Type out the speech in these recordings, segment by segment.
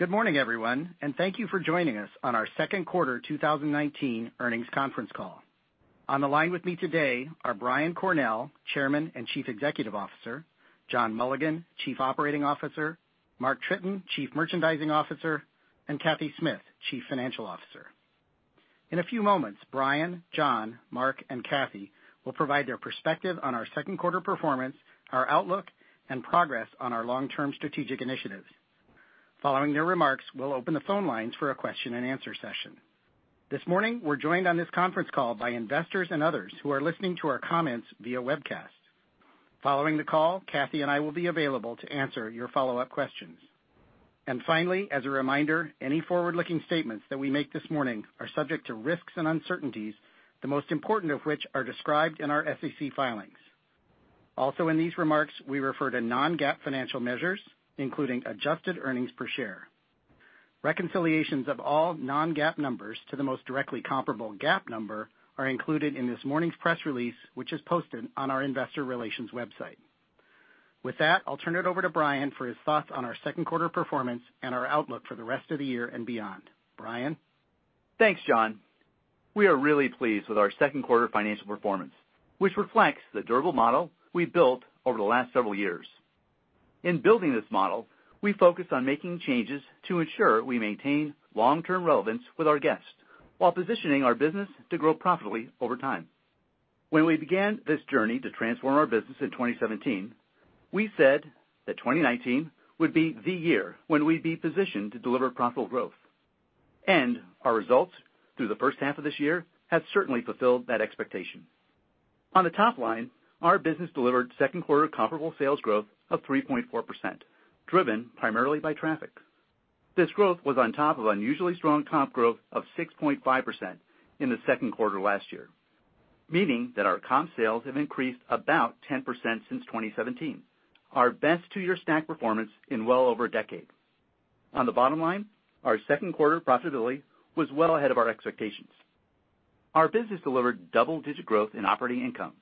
Good morning, everyone, and thank you for joining us on our second quarter 2019 earnings conference call. On the line with me today are Brian Cornell, Chairman and Chief Executive Officer, John Mulligan, Chief Operating Officer, Mark Tritton, Chief Merchandising Officer, and Cathy Smith, Chief Financial Officer. In a few moments, Brian, John, Mark, and Cathy will provide their perspective on our second quarter performance, our outlook, and progress on our long-term strategic initiatives. Following their remarks, we'll open the phone lines for a question and answer session. This morning, we're joined on this conference call by investors and others who are listening to our comments via webcast. Following the call, Cathy and I will be available to answer your follow-up questions. Finally, as a reminder, any forward-looking statements that we make this morning are subject to risks and uncertainties, the most important of which are described in our SEC filings. Also in these remarks, we refer to non-GAAP financial measures, including adjusted earnings per share. Reconciliations of all non-GAAP numbers to the most directly comparable GAAP number are included in this morning's press release, which is posted on our investor relations website. With that, I'll turn it over to Brian for his thoughts on our second quarter performance and our outlook for the rest of the year and beyond. Brian? Thanks, John. We are really pleased with our second quarter financial performance, which reflects the durable model we've built over the last several years. In building this model, we focused on making changes to ensure we maintain long-term relevance with our guests, while positioning our business to grow profitably over time. When we began this journey to transform our business in 2017, we said that 2019 would be the year when we'd be positioned to deliver profitable growth. Our results through the first half of this year have certainly fulfilled that expectation. On the top line, our business delivered second quarter comparable sales growth of 3.4%, driven primarily by traffic. This growth was on top of unusually strong comp growth of 6.5% in the second quarter last year, meaning that our comp sales have increased about 10% since 2017, our best two-year stack performance in well over a decade. On the bottom line, our second quarter profitability was well ahead of our expectations. Our business delivered double-digit growth in operating income,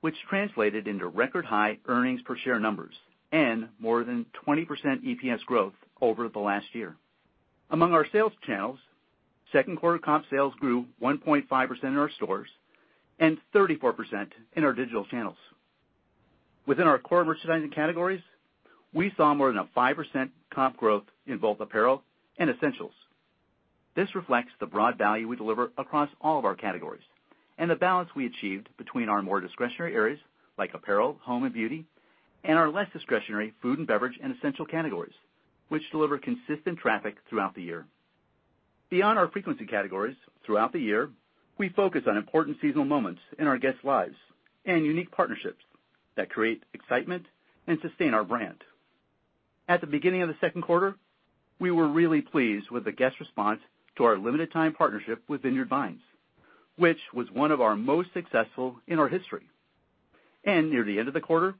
which translated into record-high earnings per share numbers and more than 20% EPS growth over the last year. Among our sales channels, second quarter comp sales grew 1.5% in our stores and 34% in our digital channels. Within our core merchandising categories, we saw more than a 5% comp growth in both apparel and essentials. This reflects the broad value we deliver across all of our categories and the balance we achieved between our more discretionary areas, like apparel, home, and beauty, and our less discretionary food and beverage and essential categories, which deliver consistent traffic throughout the year. Beyond our frequency categories, throughout the year, we focus on important seasonal moments in our guests' lives and unique partnerships that create excitement and sustain our brand. At the beginning of the second quarter, we were really pleased with the guest response to our limited time partnership with Vineyard Vines, which was one of our most successful in our history. Near the end of the quarter,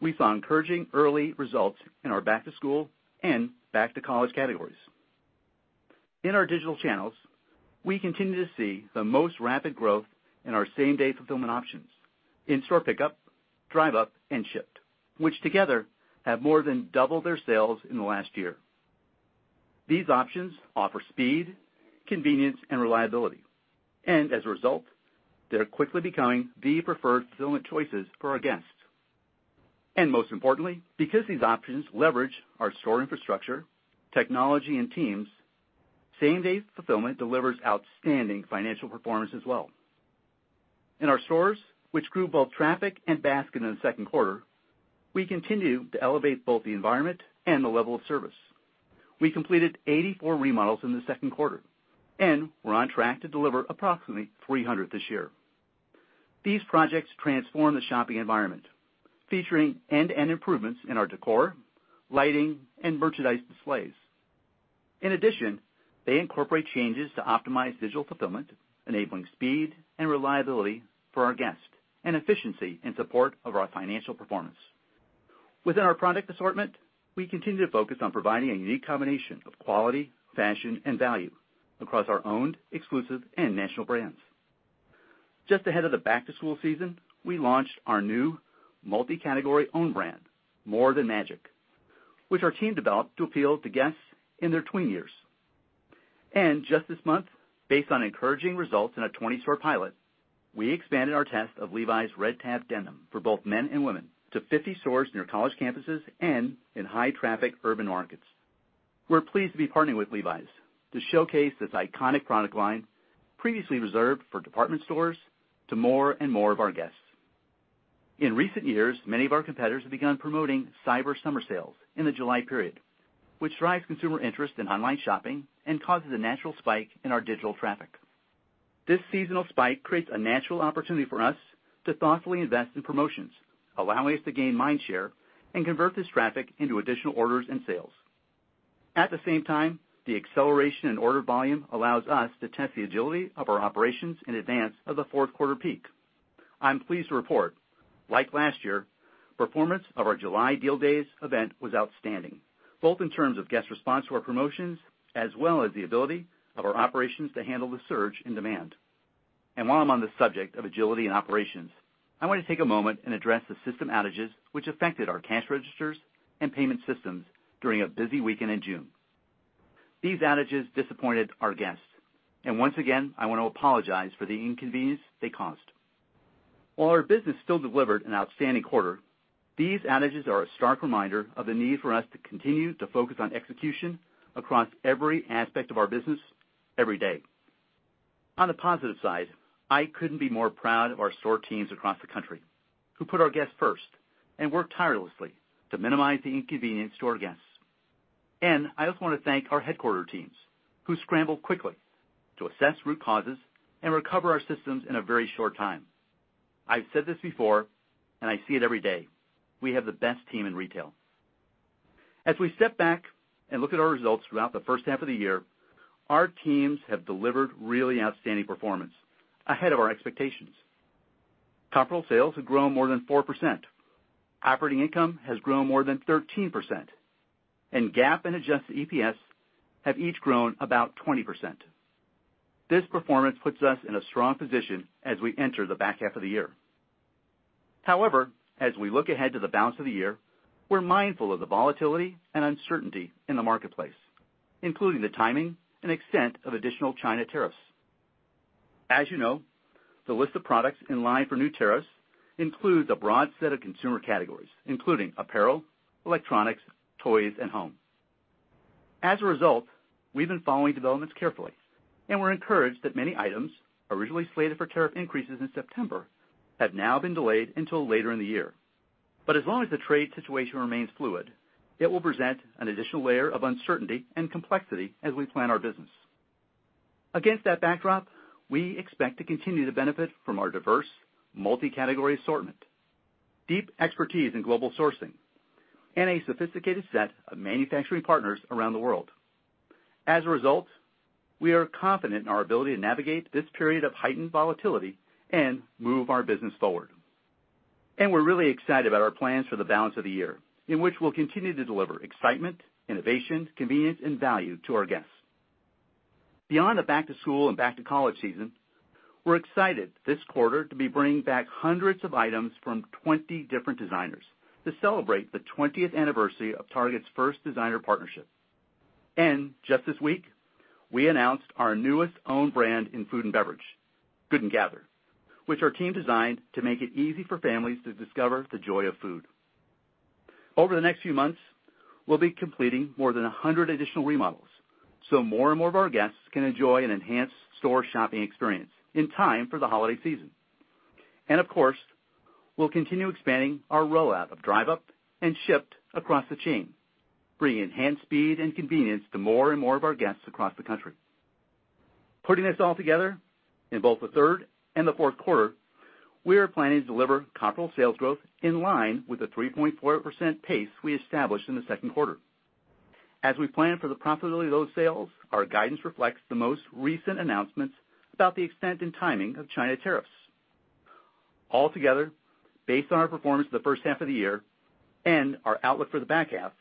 we saw encouraging early results in our back to school and back to college categories. In our digital channels, we continue to see the most rapid growth in our same-day fulfillment options: in-store pickup, Drive Up, and Shipt, which together have more than doubled their sales in the last year. These options offer speed, convenience, and reliability, and as a result, they're quickly becoming the preferred fulfillment choices for our guests. Most importantly, because these options leverage our store infrastructure, technology, and teams, same-day fulfillment delivers outstanding financial performance as well. In our stores, which grew both traffic and basket in the second quarter, we continue to elevate both the environment and the level of service. We completed 84 remodels in the second quarter, and we're on track to deliver approximately 300 this year. These projects transform the shopping environment, featuring end-to-end improvements in our decor, lighting, and merchandise displays. In addition, they incorporate changes to optimize digital fulfillment, enabling speed and reliability for our guests and efficiency in support of our financial performance. Within our product assortment, we continue to focus on providing a unique combination of quality, fashion, and value across our owned, exclusive, and national brands. Just ahead of the back-to-school season, we launched our new multi-category own brand, More Than Magic, which our team developed to appeal to guests in their tween years. Just this month, based on encouraging results in a 20-store pilot, we expanded our test of Levi's Red Tab denim for both men and women to 50 stores near college campuses and in high-traffic urban markets. We're pleased to be partnering with Levi's to showcase this iconic product line previously reserved for department stores to more and more of our guests. In recent years, many of our competitors have begun promoting cyber summer sales in the July period, which drives consumer interest in online shopping and causes a natural spike in our digital traffic. This seasonal spike creates a natural opportunity for us to thoughtfully invest in promotions, allowing us to gain mind share and convert this traffic into additional orders and sales. At the same time, the acceleration in order volume allows us to test the agility of our operations in advance of the fourth quarter peak. I'm pleased to report, like last year, performance of our July Deal Days event was outstanding, both in terms of guest response to our promotions as well as the ability of our operations to handle the surge in demand. While I'm on the subject of agility and operations, I want to take a moment and address the system outages which affected our cash registers and payment systems during a busy weekend in June. These outages disappointed our guests, and once again, I want to apologize for the inconvenience they caused. While our business still delivered an outstanding quarter, these outages are a stark reminder of the need for us to continue to focus on execution across every aspect of our business every day. On the positive side, I couldn't be more proud of our store teams across the country who put our guests first and worked tirelessly to minimize the inconvenience to our guests. I also want to thank our headquarter teams who scrambled quickly to assess root causes and recover our systems in a very short time. I've said this before, and I see it every day. We have the best team in retail. As we step back and look at our results throughout the first half of the year, our teams have delivered really outstanding performance ahead of our expectations. Comparable sales have grown more than 4%. Operating income has grown more than 13%, and GAAP and adjusted EPS have each grown about 20%. This performance puts us in a strong position as we enter the back half of the year. As we look ahead to the balance of the year, we're mindful of the volatility and uncertainty in the marketplace, including the timing and extent of additional China tariffs. As you know, the list of products in line for new tariffs includes a broad set of consumer categories, including apparel, electronics, toys, and home. We've been following developments carefully, and we're encouraged that many items originally slated for tariff increases in September have now been delayed until later in the year. As long as the trade situation remains fluid, it will present an additional layer of uncertainty and complexity as we plan our business. Against that backdrop, we expect to continue to benefit from our diverse multi-category assortment, deep expertise in global sourcing, and a sophisticated set of manufacturing partners around the world. As a result, we are confident in our ability to navigate this period of heightened volatility and move our business forward. We're really excited about our plans for the balance of the year in which we'll continue to deliver excitement, innovation, convenience, and value to our guests. Beyond the back to school and back to college season, we're excited this quarter to be bringing back hundreds of items from 20 different designers to celebrate the 20th anniversary of Target's first designer partnership. Just this week, we announced our newest own brand in food and beverage, Good & Gather, which our team designed to make it easy for families to discover the joy of food. Over the next few months, we'll be completing more than 100 additional remodels, so more and more of our guests can enjoy an enhanced store shopping experience in time for the holiday season. Of course, we'll continue expanding our rollout of Drive Up and Shipt across the chain, bringing enhanced speed and convenience to more and more of our guests across the country. Putting this all together, in both the third and the fourth quarter, we are planning to deliver comparable sales growth in line with the 3.4% pace we established in the second quarter. As we plan for the profitability of those sales, our guidance reflects the most recent announcements about the extent and timing of China tariffs. Based on our performance the first half of the year and our outlook for the back half,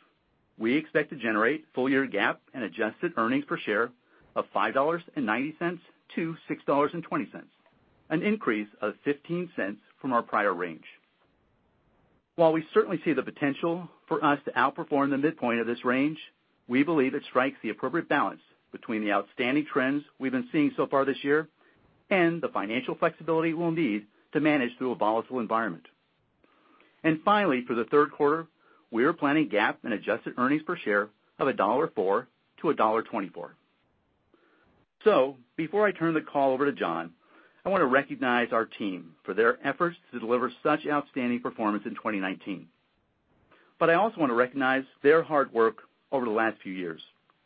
we expect to generate full year GAAP and adjusted earnings per share of $5.90 to $6.20, an increase of $0.15 from our prior range. While we certainly see the potential for us to outperform the midpoint of this range, we believe it strikes the appropriate balance between the outstanding trends we've been seeing so far this year and the financial flexibility we'll need to manage through a volatile environment. For the third quarter, we are planning GAAP and adjusted earnings per share of $1.04-$1.24. Before I turn the call over to John, I want to recognize our team for their efforts to deliver such outstanding performance in 2019. I also want to recognize their hard work over the last few years,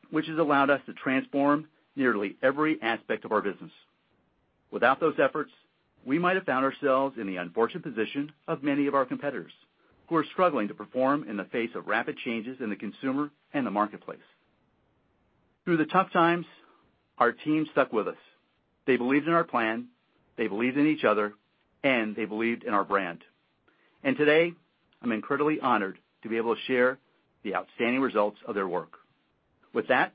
which has allowed us to transform nearly every aspect of our business. Without those efforts, we might have found ourselves in the unfortunate position of many of our competitors who are struggling to perform in the face of rapid changes in the consumer and the marketplace. Through the tough times, our team stuck with us. They believed in our plan, they believed in each other, and they believed in our brand. Today, I'm incredibly honored to be able to share the outstanding results of their work. With that,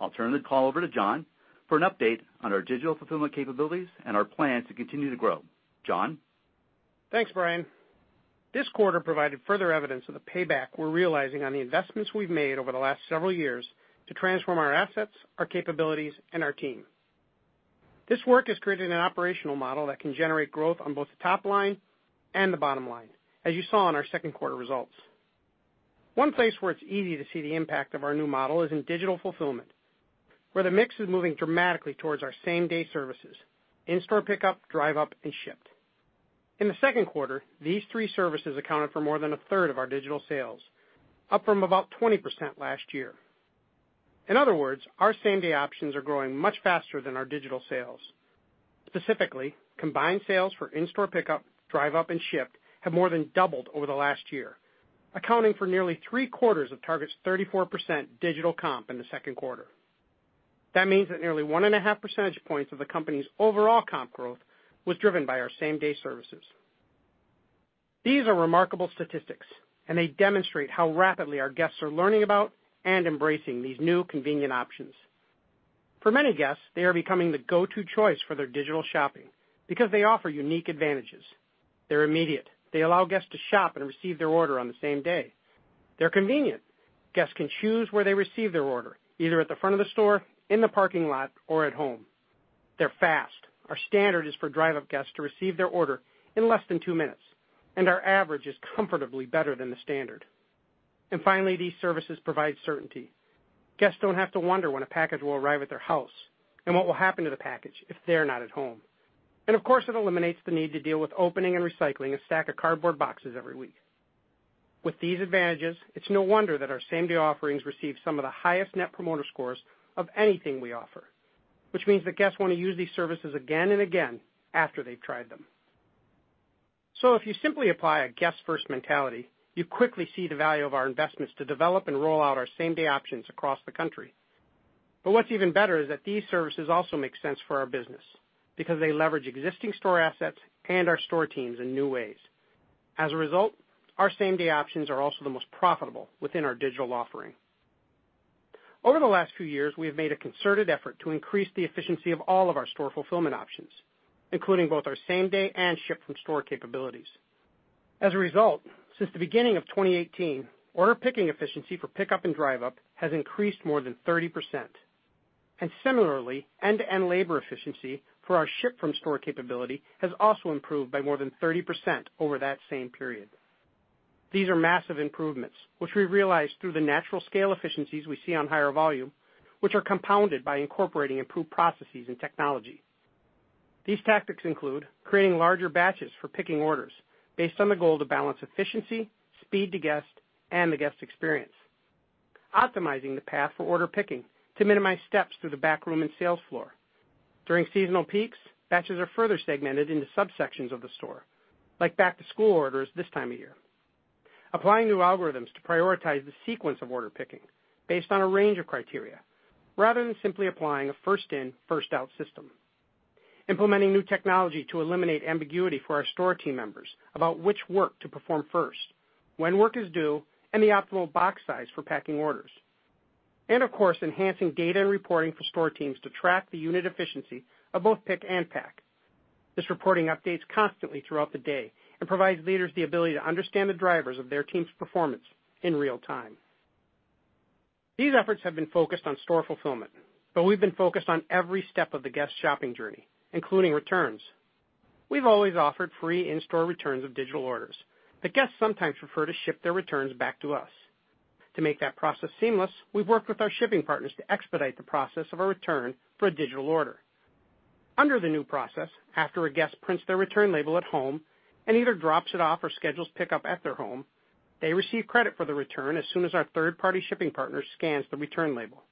I'll turn the call over to John for an update on our digital fulfillment capabilities and our plan to continue to grow. John? Thanks, Brian. This quarter provided further evidence of the payback we're realizing on the investments we've made over the last several years to transform our assets, our capabilities, and our team. This work has created an operational model that can generate growth on both the top line and the bottom line, as you saw in our second quarter results. One place where it's easy to see the impact of our new model is in digital fulfillment, where the mix is moving dramatically towards our same-day services, in-store pickup, Drive Up, and Shipt. In the second quarter, these three services accounted for more than a third of our digital sales, up from about 20% last year. In other words, our same-day options are growing much faster than our digital sales. Specifically, combined sales for in-store pickup, Drive Up, and Shipt have more than doubled over the last year, accounting for nearly three-quarters of Target's 34% digital comp in the second quarter. That means that nearly 1.5 percentage points of the company's overall comp growth was driven by our same-day services. These are remarkable statistics and they demonstrate how rapidly our guests are learning about and embracing these new convenient options. For many guests, they are becoming the go-to choice for their digital shopping because they offer unique advantages. They're immediate. They allow guests to shop and receive their order on the same day. They're convenient. Guests can choose where they receive their order, either at the front of the store, in the parking lot, or at home. They're fast. Our standard is for Drive Up guests to receive their order in less than two minutes, and our average is comfortably better than the standard. Finally, these services provide certainty. Guests don't have to wonder when a package will arrive at their house and what will happen to the package if they're not at home. Of course, it eliminates the need to deal with opening and recycling a stack of cardboard boxes every week. With these advantages, it's no wonder that our same-day offerings receive some of the highest net promoter scores of anything we offer, which means that guests want to use these services again and again after they've tried them. If you simply apply a guest first mentality, you quickly see the value of our investments to develop and roll out our same-day options across the country. What's even better is that these services also make sense for our business because they leverage existing store assets and our store teams in new ways. As a result, our same-day options are also the most profitable within our digital offering. Over the last few years, we have made a concerted effort to increase the efficiency of all of our store fulfillment options, including both our same-day and Shipt-from-store capabilities. As a result, since the beginning of 2018, order picking efficiency for Pickup and Drive Up has increased more than 30%. Similarly, end-to-end labor efficiency for our Shipt-from-store capability has also improved by more than 30% over that same period. These are massive improvements, which we realized through the natural scale efficiencies we see on higher volume, which are compounded by incorporating improved processes and technology. These tactics include creating larger batches for picking orders based on the goal to balance efficiency, speed to guest, and the guest experience. Optimizing the path for order picking to minimize steps through the backroom and sales floor. During seasonal peaks, batches are further segmented into subsections of the store, like back-to-school orders this time of year. Applying new algorithms to prioritize the sequence of order picking based on a range of criteria, rather than simply applying a first in, first out system. Implementing new technology to eliminate ambiguity for our store team members about which work to perform first, when work is due, and the optimal box size for packing orders. Of course, enhancing data and reporting for store teams to track the unit efficiency of both pick and pack. This reporting updates constantly throughout the day and provides leaders the ability to understand the drivers of their team's performance in real time. These efforts have been focused on store fulfillment, but we've been focused on every step of the guest shopping journey, including returns. We've always offered free in-store returns of digital orders, but guests sometimes prefer to Shipt their returns back to us. To make that process seamless, we've worked with our shipping partners to expedite the process of a return for a digital order. Under the new process, after a guest prints their return label at home and either drops it off or schedules pickup at their home, they receive credit for the return as soon as our third-party shipping partner scans the return label.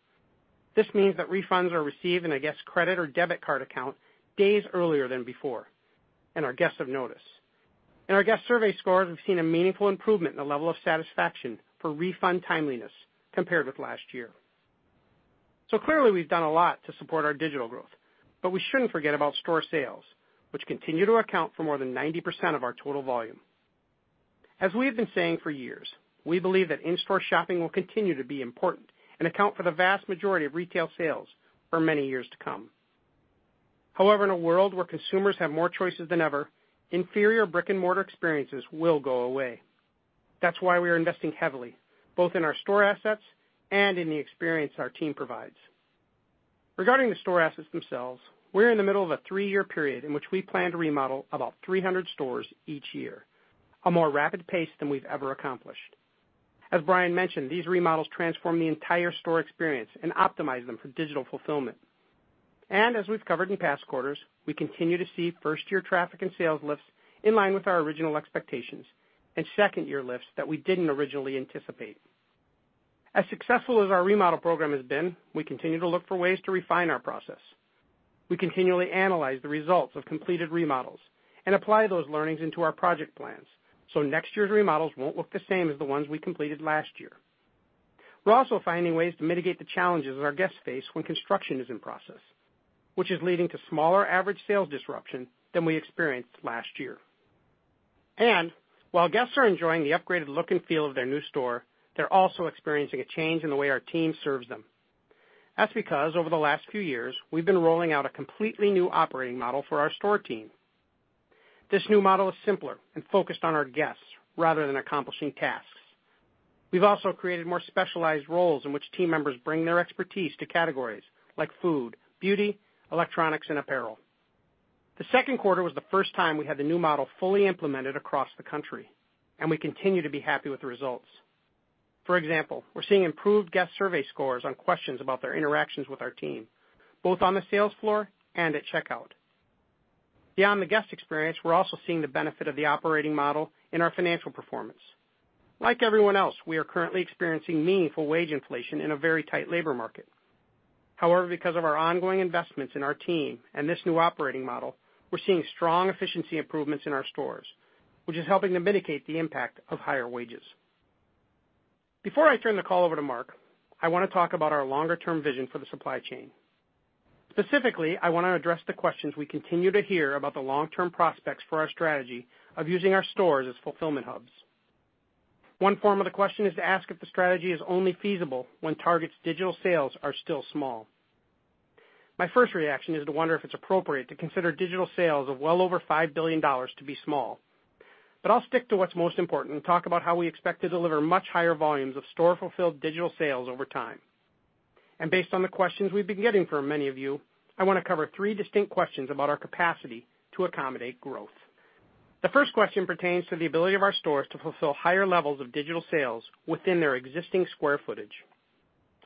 This means that refunds are received in a guest's credit or debit card account days earlier than before, and our guests have noticed. In our guest survey scores, we've seen a meaningful improvement in the level of satisfaction for refund timeliness compared with last year. Clearly we've done a lot to support our digital growth, but we shouldn't forget about store sales, which continue to account for more than 90% of our total volume. As we have been saying for years, we believe that in-store shopping will continue to be important and account for the vast majority of retail sales for many years to come. However, in a world where consumers have more choices than ever, inferior brick and mortar experiences will go away. That's why we are investing heavily, both in our store assets and in the experience our team provides. Regarding the store assets themselves, we're in the middle of a three-year period in which we plan to remodel about 300 stores each year, a more rapid pace than we've ever accomplished. As Brian mentioned, these remodels transform the entire store experience and optimize them for digital fulfillment. As we've covered in past quarters, we continue to see first-year traffic and sales lifts in line with our original expectations and second-year lifts that we didn't originally anticipate. As successful as our remodel program has been, we continue to look for ways to refine our process. We continually analyze the results of completed remodels and apply those learnings into our project plans so next year's remodels won't look the same as the ones we completed last year. We're also finding ways to mitigate the challenges that our guests face when construction is in process, which is leading to smaller average sales disruption than we experienced last year. While guests are enjoying the upgraded look and feel of their new store, they're also experiencing a change in the way our team serves them. That's because over the last few years, we've been rolling out a completely new operating model for our store team. This new model is simpler and focused on our guests rather than accomplishing tasks. We've also created more specialized roles in which team members bring their expertise to categories like food, beauty, electronics, and apparel. The second quarter was the first time we had the new model fully implemented across the country. We continue to be happy with the results. For example, we're seeing improved guest survey scores on questions about their interactions with our team, both on the sales floor and at checkout. Beyond the guest experience, we're also seeing the benefit of the operating model in our financial performance. Like everyone else, we are currently experiencing meaningful wage inflation in a very tight labor market. However, because of our ongoing investments in our team and this new operating model, we're seeing strong efficiency improvements in our stores, which is helping to mitigate the impact of higher wages. Before I turn the call over to Mark, I want to talk about our longer-term vision for the supply chain. Specifically, I want to address the questions we continue to hear about the long-term prospects for our strategy of using our stores as fulfillment hubs. One form of the question is to ask if the strategy is only feasible when Target's digital sales are still small. My first reaction is to wonder if it's appropriate to consider digital sales of well over $5 billion to be small. I'll stick to what's most important and talk about how we expect to deliver much higher volumes of store-fulfilled digital sales over time. Based on the questions we've been getting from many of you, I want to cover three distinct questions about our capacity to accommodate growth. The first question pertains to the ability of our stores to fulfill higher levels of digital sales within their existing square footage.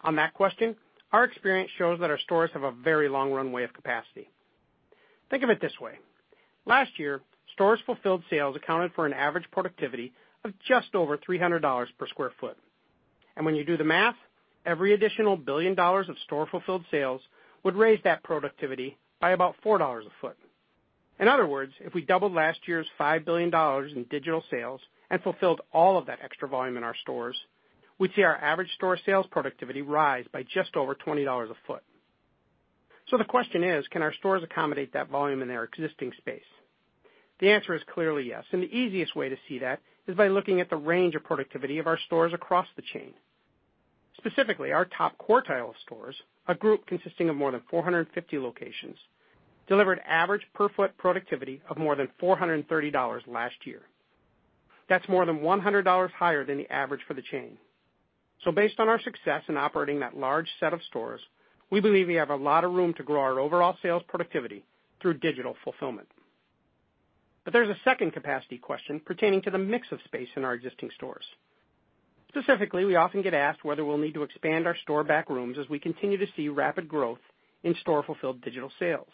On that question, our experience shows that our stores have a very long runway of capacity. Think of it this way. Last year, stores fulfilled sales accounted for an average productivity of just over $300 per sq ft. When you do the math, every additional $1 billion of store-fulfilled sales would raise that productivity by about $4 a foot. In other words, if we doubled last year's $5 billion in digital sales and fulfilled all of that extra volume in our stores, we'd see our average store sales productivity rise by just over $20 a foot. The question is: Can our stores accommodate that volume in their existing space? The answer is clearly yes, and the easiest way to see that is by looking at the range of productivity of our stores across the chain. Specifically, our top quartile stores, a group consisting of more than 450 locations, delivered average per foot productivity of more than $430 last year. That's more than $100 higher than the average for the chain. Based on our success in operating that large set of stores, we believe we have a lot of room to grow our overall sales productivity through digital fulfillment. There's a second capacity question pertaining to the mix of space in our existing stores. Specifically, we often get asked whether we'll need to expand our store back rooms as we continue to see rapid growth in store-fulfilled digital sales.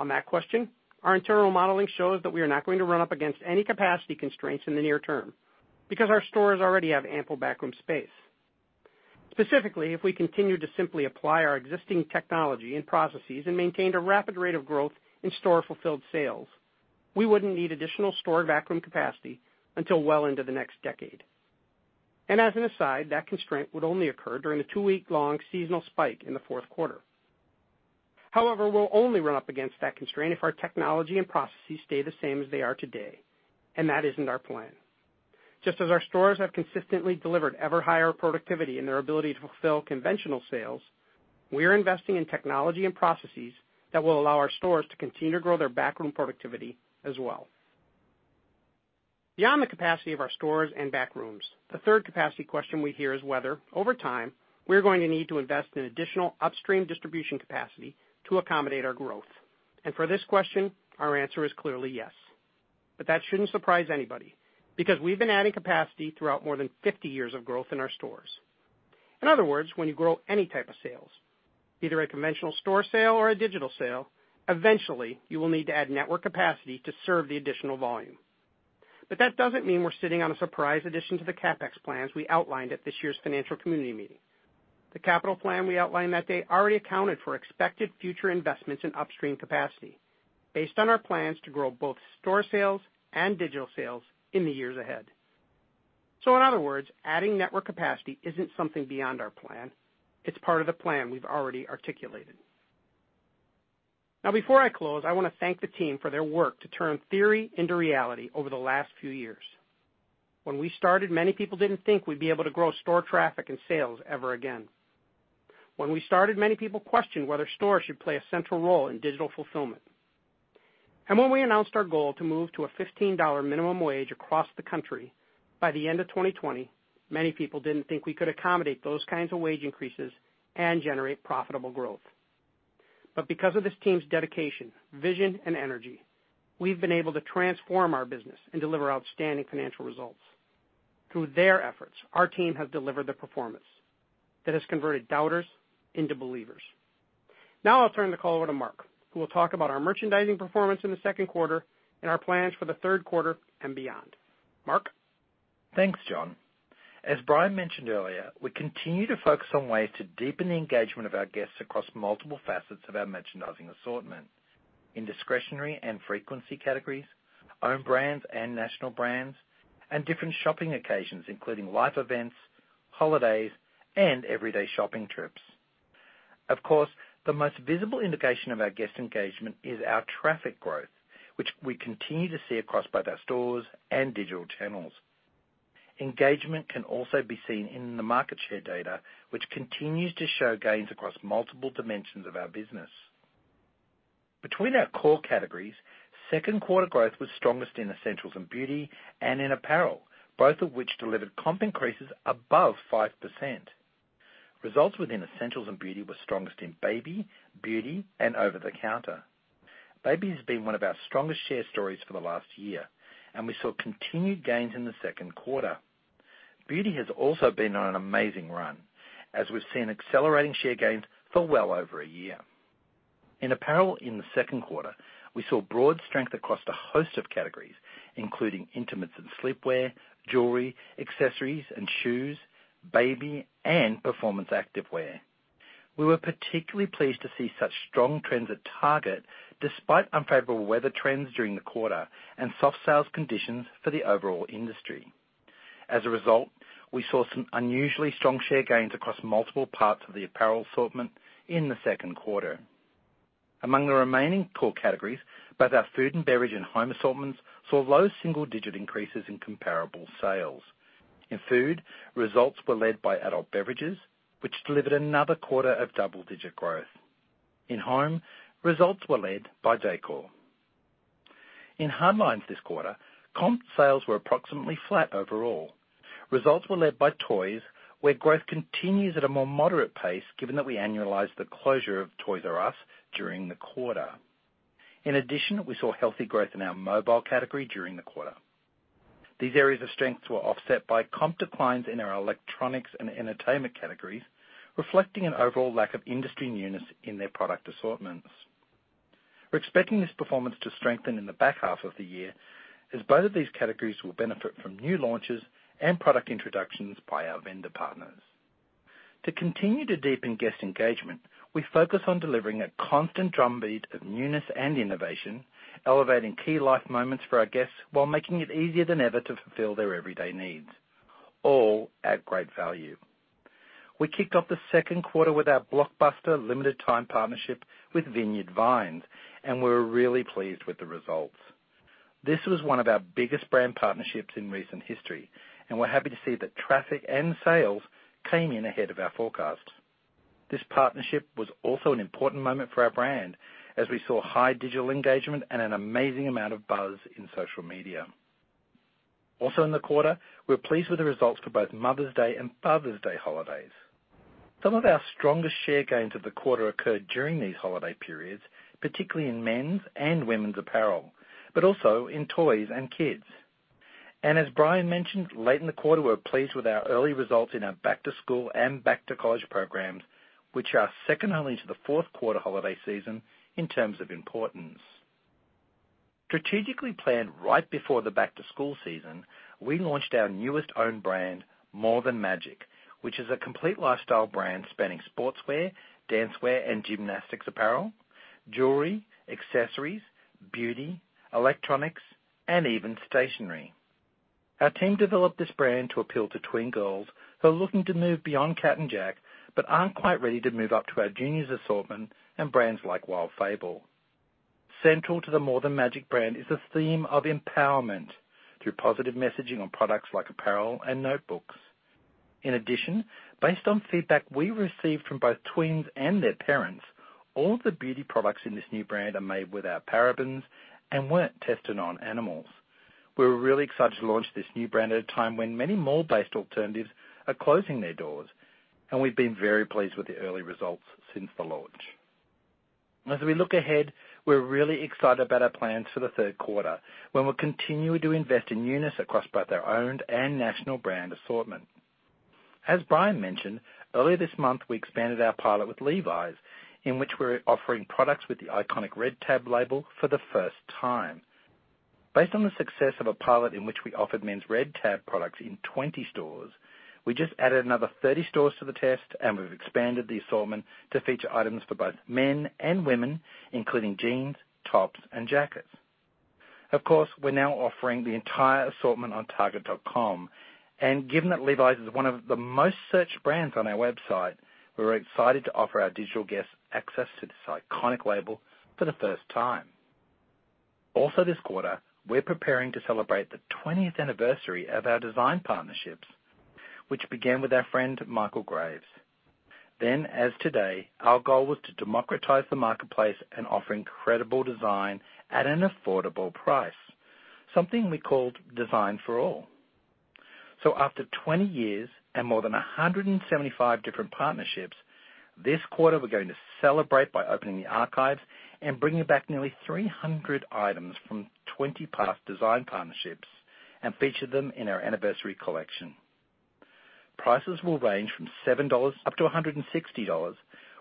On that question, our internal modeling shows that we are not going to run up against any capacity constraints in the near term because our stores already have ample backroom space. Specifically, if we continue to simply apply our existing technology and processes and maintained a rapid rate of growth in store-fulfilled sales, we wouldn't need additional store backroom capacity until well into the next decade. As an aside, that constraint would only occur during the two-week long seasonal spike in the fourth quarter. However, we'll only run up against that constraint if our technology and processes stay the same as they are today, and that isn't our plan. Just as our stores have consistently delivered ever higher productivity in their ability to fulfill conventional sales, we are investing in technology and processes that will allow our stores to continue to grow their backroom productivity as well. Beyond the capacity of our stores and back rooms, the third capacity question we hear is whether, over time, we're going to need to invest in additional upstream distribution capacity to accommodate our growth. For this question, our answer is clearly yes. That shouldn't surprise anybody because we've been adding capacity throughout more than 50 years of growth in our stores. In other words, when you grow any type of sales, either a conventional store sale or a digital sale, eventually you will need to add network capacity to serve the additional volume. That doesn't mean we're sitting on a surprise addition to the CapEx plans we outlined at this year's financial community meeting. The capital plan we outlined that day already accounted for expected future investments in upstream capacity based on our plans to grow both store sales and digital sales in the years ahead. In other words, adding network capacity isn't something beyond our plan. It's part of the plan we've already articulated. Before I close, I want to thank the team for their work to turn theory into reality over the last few years. When we started, many people didn't think we'd be able to grow store traffic and sales ever again. When we started, many people questioned whether stores should play a central role in digital fulfillment. When we announced our goal to move to a $15 minimum wage across the country by the end of 2020, many people didn't think we could accommodate those kinds of wage increases and generate profitable growth. Because of this team's dedication, vision, and energy, we've been able to transform our business and deliver outstanding financial results. Through their efforts, our team has delivered the performance that has converted doubters into believers. I'll turn the call over to Mark, who will talk about our merchandising performance in the second quarter and our plans for the third quarter and beyond. Mark? Thanks, John. As Brian mentioned earlier, we continue to focus on ways to deepen the engagement of our guests across multiple facets of our merchandising assortment. In discretionary and frequency categories, own brands and national brands, and different shopping occasions, including life events, holidays, and everyday shopping trips. Of course, the most visible indication of our guest engagement is our traffic growth, which we continue to see across both our stores and digital channels. Engagement can also be seen in the market share data, which continues to show gains across multiple dimensions of our business. Between our core categories, second quarter growth was strongest in essentials and beauty and in apparel, both of which delivered comp increases above 5%. Results within essentials and beauty were strongest in baby, beauty, and over-the-counter. Baby has been one of our strongest share stories for the last year, and we saw continued gains in the second quarter. Beauty has also been on an amazing run, as we've seen accelerating share gains for well over a year. In apparel in the second quarter, we saw broad strength across a host of categories, including intimates and sleepwear, jewelry, accessories and shoes, baby, and performance active wear. We were particularly pleased to see such strong trends at Target despite unfavorable weather trends during the quarter and soft sales conditions for the overall industry. As a result, we saw some unusually strong share gains across multiple parts of the apparel assortment in the second quarter. Among the remaining core categories, both our food and beverage and home assortments saw low single-digit increases in comparable sales. In food, results were led by adult beverages, which delivered another quarter of double-digit growth. In home, results were led by decor. In hard lines this quarter, comp sales were approximately flat overall. Results were led by toys, where growth continues at a more moderate pace, given that we annualized the closure of Toys R Us during the quarter. In addition, we saw healthy growth in our mobile category during the quarter. These areas of strengths were offset by comp declines in our electronics and entertainment categories, reflecting an overall lack of industry newness in their product assortments. We're expecting this performance to strengthen in the back half of the year, as both of these categories will benefit from new launches and product introductions by our vendor partners. To continue to deepen guest engagement, we focus on delivering a constant drumbeat of newness and innovation, elevating key life moments for our guests while making it easier than ever to fulfill their everyday needs, all at great value. We kicked off the second quarter with our blockbuster limited-time partnership with Vineyard Vines, and we're really pleased with the results. This was one of our biggest brand partnerships in recent history, and we're happy to see that traffic and sales came in ahead of our forecast. This partnership was also an important moment for our brand as we saw high digital engagement and an amazing amount of buzz in social media. Also in the quarter, we're pleased with the results for both Mother's Day and Father's Day holidays. Some of our strongest share gains of the quarter occurred during these holiday periods, particularly in men's and women's apparel, but also in toys and kids. As Brian mentioned, late in the quarter, we're pleased with our early results in our back-to-school and back-to-college programs, which are second only to the fourth quarter holiday season in terms of importance. Strategically planned right before the back-to-school season, we launched our newest own brand, More Than Magic, which is a complete lifestyle brand spanning sportswear, dancewear and gymnastics apparel, jewelry, accessories, beauty, electronics, and even stationery. Our team developed this brand to appeal to twin girls who are looking to move beyond Cat & Jack, but aren't quite ready to move up to our juniors assortment and brands like Wild Fable. Central to the More Than Magic brand is a theme of empowerment through positive messaging on products like apparel and notebooks. In addition, based on feedback we received from both twins and their parents, all the beauty products in this new brand are made without parabens and weren't tested on animals. We're really excited to launch this new brand at a time when many mall-based alternatives are closing their doors, and we've been very pleased with the early results since the launch. As we look ahead, we're really excited about our plans for the third quarter, when we're continuing to invest in newness across both our owned and national brand assortment. As Brian mentioned, earlier this month, we expanded our pilot with Levi's, in which we're offering products with the iconic Red Tab label for the first time. Based on the success of a pilot in which we offered men's Red Tab products in 20 stores, we just added another 30 stores to the test, and we've expanded the assortment to feature items for both men and women, including jeans, tops, and jackets. Of course, we're now offering the entire assortment on target.com, and given that Levi's is one of the most searched brands on our website, we're excited to offer our digital guests access to this iconic label for the first time. Also this quarter, we're preparing to celebrate the 20th anniversary of our design partnerships, which began with our friend Michael Graves. As today, our goal was to democratize the marketplace and offer incredible design at an affordable price, something we called Design for All. After 20 years and more than 175 different partnerships, this quarter, we're going to celebrate by opening the archives and bringing back nearly 300 items from 20 past design partnerships and feature them in our anniversary collection. Prices will range from $7 up to $160,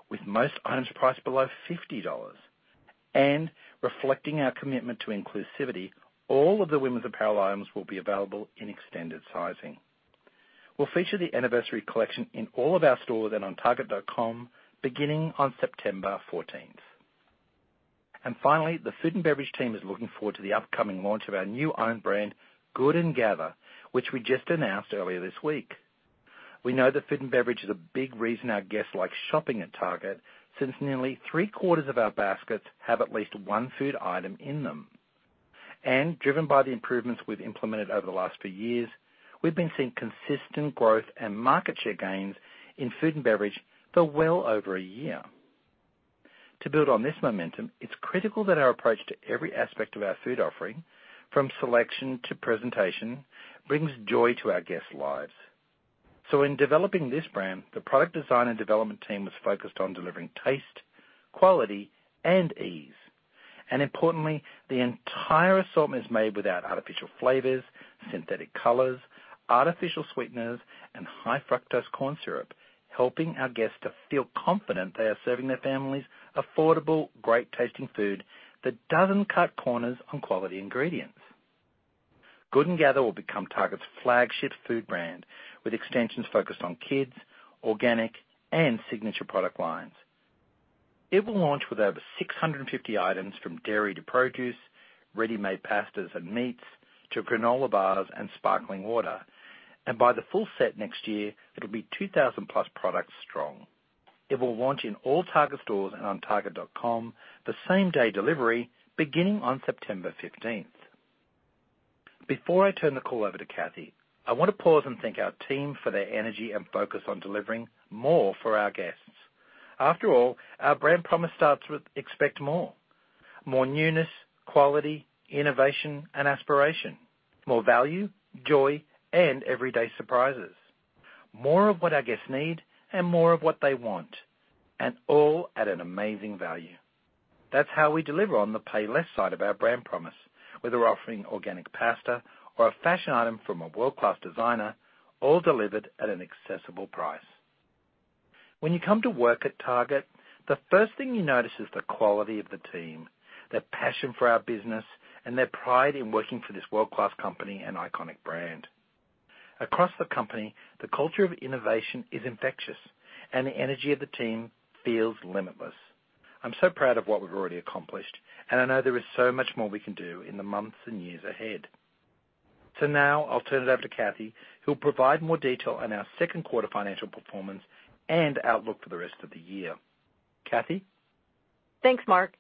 with most items priced below $50. Reflecting our commitment to inclusivity, all of the women's apparel items will be available in extended sizing. We'll feature the anniversary collection in all of our stores and on target.com beginning on September 14th. Finally, the food and beverage team is looking forward to the upcoming launch of our new own brand, Good & Gather, which we just announced earlier this week. We know that food and beverage is a big reason our guests like shopping at Target, since nearly three-quarters of our baskets have at least one food item in them. Driven by the improvements we've implemented over the last few years, we've been seeing consistent growth and market share gains in food and beverage for well over a year. To build on this momentum, it's critical that our approach to every aspect of our food offering, from selection to presentation, brings joy to our guests' lives. In developing this brand, the product design and development team was focused on delivering taste, quality, and ease. Importantly, the entire assortment is made without artificial flavors, synthetic colors, artificial sweeteners, and high-fructose corn syrup, helping our guests to feel confident they are serving their families affordable, great-tasting food that doesn't cut corners on quality ingredients. Good & Gather will become Target's flagship food brand with extensions focused on kids, organic, and signature product lines. It will launch with over 650 items from dairy to produce, ready-made pastas and meats, to granola bars and sparkling water. By the full set next year, it'll be 2,000-plus products strong. It will launch in all Target stores and on target.com the same-day delivery beginning on September 15th. Before I turn the call over to Cathy, I want to pause and thank our team for their energy and focus on delivering more for our guests. After all, our brand promise starts with expect more, more newness, quality, innovation, and aspiration, more value, joy, and everyday surprises, more of what our guests need and more of what they want, and all at an amazing value. That's how we deliver on the pay less side of our brand promise, whether offering organic pasta or a fashion item from a world-class designer, all delivered at an accessible price. When you come to work at Target, the first thing you notice is the quality of the team, their passion for our business, and their pride in working for this world-class company and iconic brand. Across the company, the culture of innovation is infectious, and the energy of the team feels limitless. I'm so proud of what we've already accomplished, and I know there is so much more we can do in the months and years ahead. Now I'll turn it over to Cathy, who'll provide more detail on our second quarter financial performance and outlook for the rest of the year. Cathy? Thanks, Mark.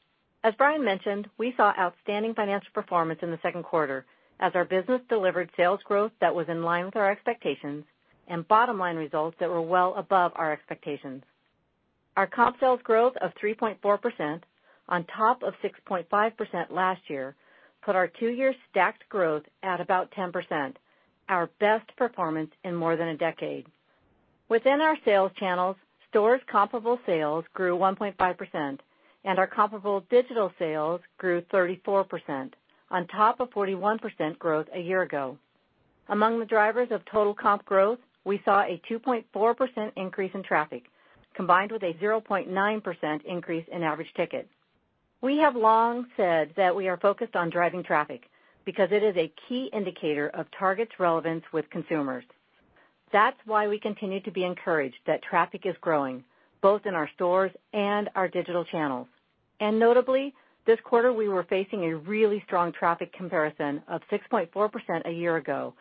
As Brian mentioned, we saw outstanding financial performance in the second quarter as our business delivered sales growth that was in line with our expectations and bottom-line results that were well above our expectations. Our comp sales growth of 3.4% on top of 6.5% last year put our two-year stacked growth at about 10%, our best performance in more than a decade. Within our sales channels, stores' comparable sales grew 1.5%. Our comparable digital sales grew 34% on top of 41% growth a year ago. Among the drivers of total comp growth, we saw a 2.4% increase in traffic, combined with a 0.9% increase in average ticket. We have long said that we are focused on driving traffic because it is a key indicator of Target's relevance with consumers. That's why we continue to be encouraged that traffic is growing, both in our stores and our digital channels. Notably, this quarter, we were facing a really strong traffic comparison of 6.4% a year ago,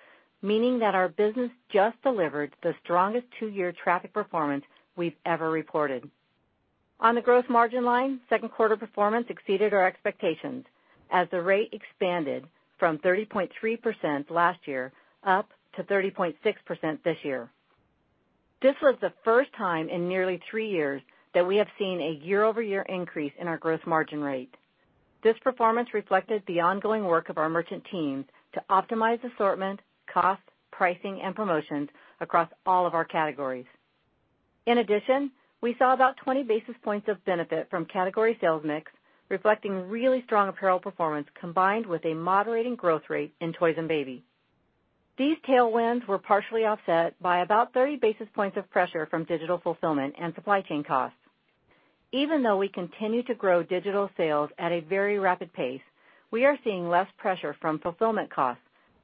meaning that our business just delivered the strongest two-year traffic performance we've ever reported. On the gross margin line, second quarter performance exceeded our expectations, as the rate expanded from 30.3% last year up to 30.6% this year. This was the first time in nearly three years that we have seen a year-over-year increase in our gross margin rate. This performance reflected the ongoing work of our merchant teams to optimize assortment, cost, pricing, and promotions across all of our categories. In addition, we saw about 20 basis points of benefit from category sales mix, reflecting really strong apparel performance, combined with a moderating growth rate in toys and baby. These tailwinds were partially offset by about 30 basis points of pressure from digital fulfillment and supply chain costs. Even though we continue to grow digital sales at a very rapid pace, we are seeing less pressure from fulfillment costs,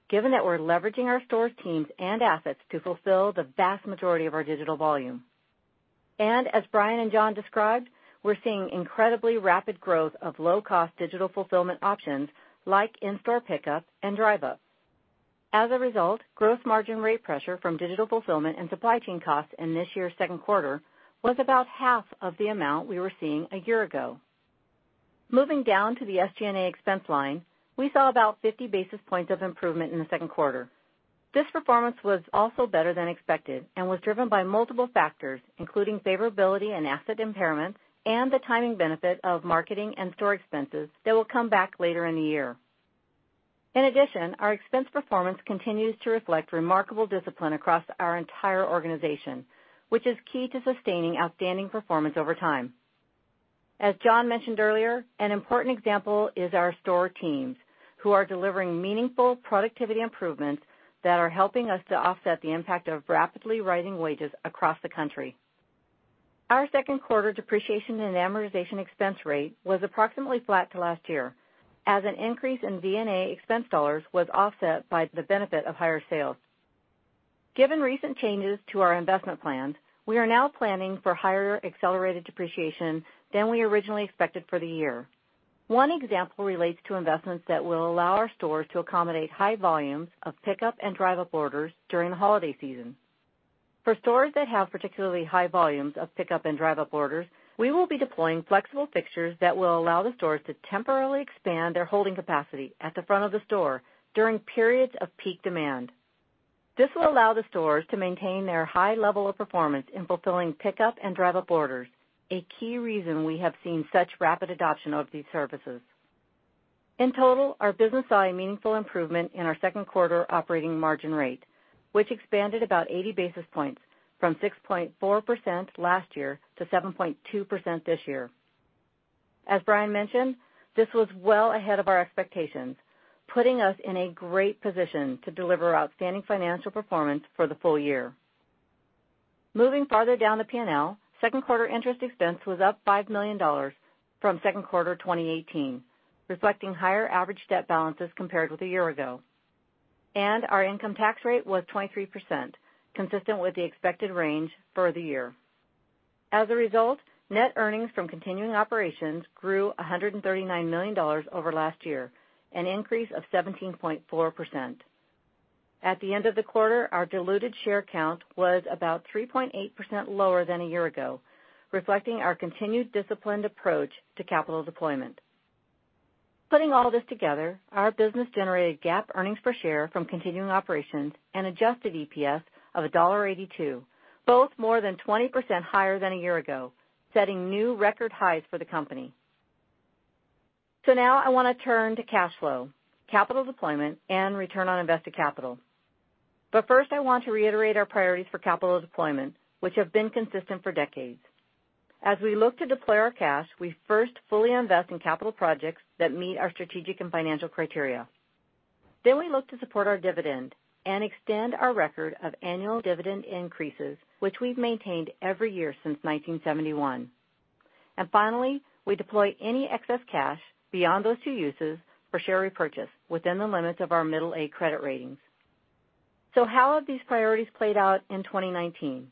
given that we're leveraging our store's teams and assets to fulfill the vast majority of our digital volume. As Brian and John described, we're seeing incredibly rapid growth of low-cost digital fulfillment options like in-store pickup and Drive Up. As a result, gross margin rate pressure from digital fulfillment and supply chain costs in this year's second quarter was about half of the amount we were seeing a year ago. Moving down to the SG&A expense line, we saw about 50 basis points of improvement in the second quarter. This performance was also better than expected and was driven by multiple factors, including favorability and asset impairments and the timing benefit of marketing and store expenses that will come back later in the year. Our expense performance continues to reflect remarkable discipline across our entire organization, which is key to sustaining outstanding performance over time. As John mentioned earlier, an important example is our store teams, who are delivering meaningful productivity improvements that are helping us to offset the impact of rapidly rising wages across the country. Our second quarter depreciation and amortization expense rate was approximately flat to last year, as an increase in D&A expense dollars was offset by the benefit of higher sales. Given recent changes to our investment plans, we are now planning for higher accelerated depreciation than we originally expected for the year. One example relates to investments that will allow our stores to accommodate high volumes of pickup and Drive Up orders during the holiday season. For stores that have particularly high volumes of pickup and Drive Up orders, we will be deploying flexible fixtures that will allow the stores to temporarily expand their holding capacity at the front of the store during periods of peak demand. This will allow the stores to maintain their high level of performance in fulfilling pickup and Drive Up orders, a key reason we have seen such rapid adoption of these services. In total, our business saw a meaningful improvement in our second quarter operating margin rate, which expanded about 80 basis points from 6.4% last year to 7.2% this year. As Brian mentioned, this was well ahead of our expectations, putting us in a great position to deliver outstanding financial performance for the full year. Moving farther down the P&L, second quarter interest expense was up $5 million from second quarter 2018, reflecting higher average debt balances compared with a year ago. Our income tax rate was 23%, consistent with the expected range for the year. As a result, net earnings from continuing operations grew $139 million over last year, an increase of 17.4%. At the end of the quarter, our diluted share count was about 3.8% lower than a year ago, reflecting our continued disciplined approach to capital deployment. Putting all this together, our business generated GAAP earnings per share from continuing operations and adjusted EPS of $1.82, both more than 20% higher than a year ago, setting new record highs for the company. Now I want to turn to cash flow, capital deployment, and return on invested capital. First, I want to reiterate our priorities for capital deployment, which have been consistent for decades. As we look to deploy our cash, we first fully invest in capital projects that meet our strategic and financial criteria. We look to support our dividend and extend our record of annual dividend increases, which we've maintained every year since 1971. Finally, we deploy any excess cash beyond those two uses for share repurchase within the limits of our middle A credit ratings. How have these priorities played out in 2019?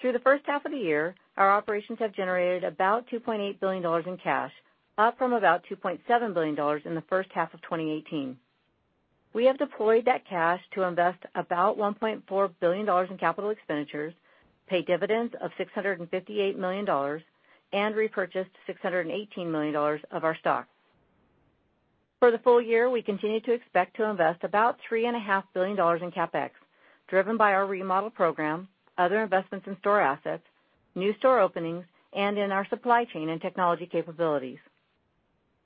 Through the first half of the year, our operations have generated about $2.8 billion in cash, up from about $2.7 billion in the first half of 2018. We have deployed that cash to invest about $1.4 billion in capital expenditures, pay dividends of $658 million, and repurchased $618 million of our stock. For the full year, we continue to expect to invest about $3.5 billion in CapEx, driven by our remodel program, other investments in store assets, new store openings, and in our supply chain and technology capabilities.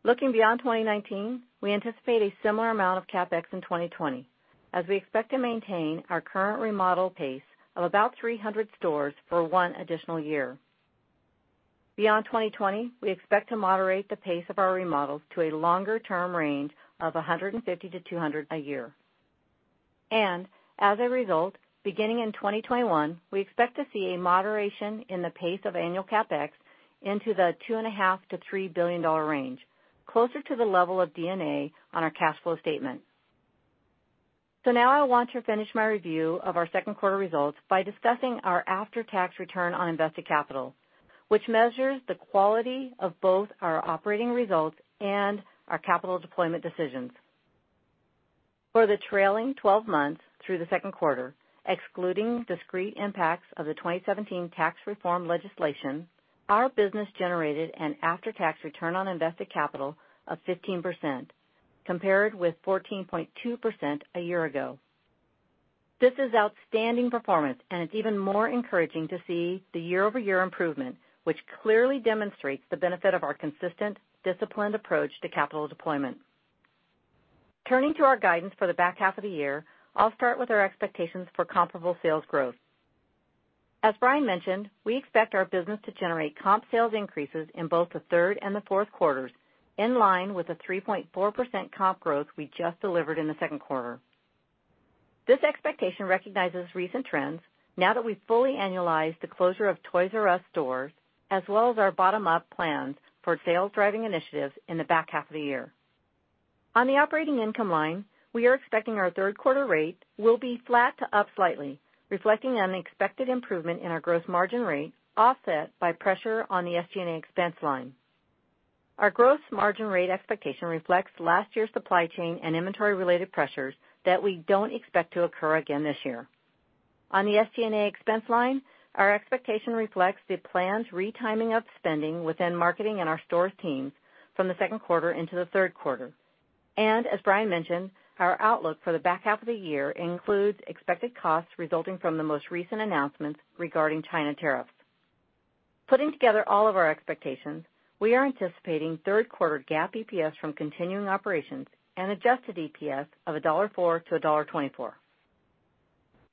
Looking beyond 2019, we anticipate a similar amount of CapEx in 2020 as we expect to maintain our current remodel pace of about 300 stores for one additional year. Beyond 2020, we expect to moderate the pace of our remodels to a longer-term range of 150-200 a year. As a result, beginning in 2021, we expect to see a moderation in the pace of annual CapEx into the $2.5 billion-$3 billion range, closer to the level of D&A on our cash flow statement. Now I want to finish my review of our second quarter results by discussing our after-tax return on invested capital, which measures the quality of both our operating results and our capital deployment decisions. For the trailing 12 months through the second quarter, excluding discrete impacts of the 2017 tax reform legislation, our business generated an after-tax return on invested capital of 15%, compared with 14.2% a year ago. This is outstanding performance, and it's even more encouraging to see the year-over-year improvement, which clearly demonstrates the benefit of our consistent, disciplined approach to capital deployment. Turning to our guidance for the back half of the year, I'll start with our expectations for comparable sales growth. As Brian mentioned, we expect our business to generate comp sales increases in both the third and the fourth quarters, in line with the 3.4% comp growth we just delivered in the second quarter. This expectation recognizes recent trends now that we've fully annualized the closure of Toys Us stores, as well as our bottom-up plans for sales-driving initiatives in the back half of the year. On the operating income line, we are expecting our third quarter rate will be flat to up slightly, reflecting an expected improvement in our gross margin rate, offset by pressure on the SG&A expense line. Our gross margin rate expectation reflects last year's supply chain and inventory-related pressures that we don't expect to occur again this year. On the SG&A expense line, our expectation reflects the planned retiming of spending within marketing and our stores teams from the second quarter into the third quarter. As Brian mentioned, our outlook for the back half of the year includes expected costs resulting from the most recent announcements regarding China tariffs. Putting together all of our expectations, we are anticipating third quarter GAAP EPS from continuing operations and adjusted EPS of $1.04-$1.24.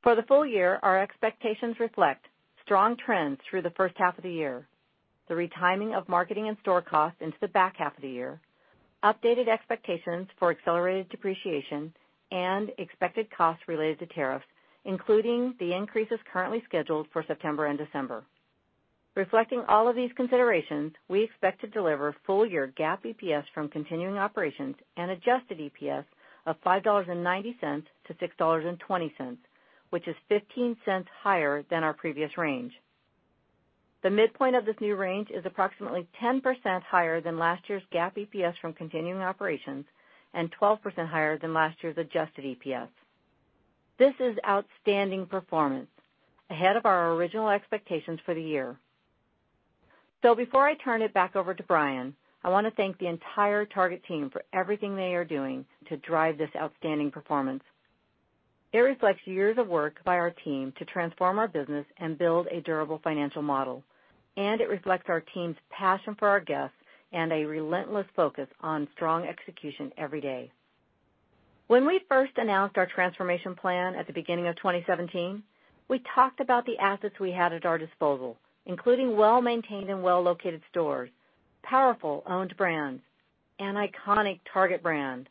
For the full year, our expectations reflect strong trends through the first half of the year, the retiming of marketing and store costs into the back half of the year, updated expectations for accelerated depreciation, and expected costs related to tariffs, including the increases currently scheduled for September and December. Reflecting all of these considerations, we expect to deliver full-year GAAP EPS from continuing operations an adjusted EPS of $5.90-$6.20, which is $0.15 higher than our previous range. The midpoint of this new range is approximately 10% higher than last year's GAAP EPS from continuing operations and 12% higher than last year's adjusted EPS. This is outstanding performance, ahead of our original expectations for the year. Before I turn it back over to Brian, I want to thank the entire Target team for everything they are doing to drive this outstanding performance. It reflects years of work by our team to transform our business and build a durable financial model, and it reflects our team's passion for our guests and a relentless focus on strong execution every day. When we first announced our transformation plan at the beginning of 2017, we talked about the assets we had at our disposal, including well-maintained and well-located stores, powerful owned brands, an iconic Target brand,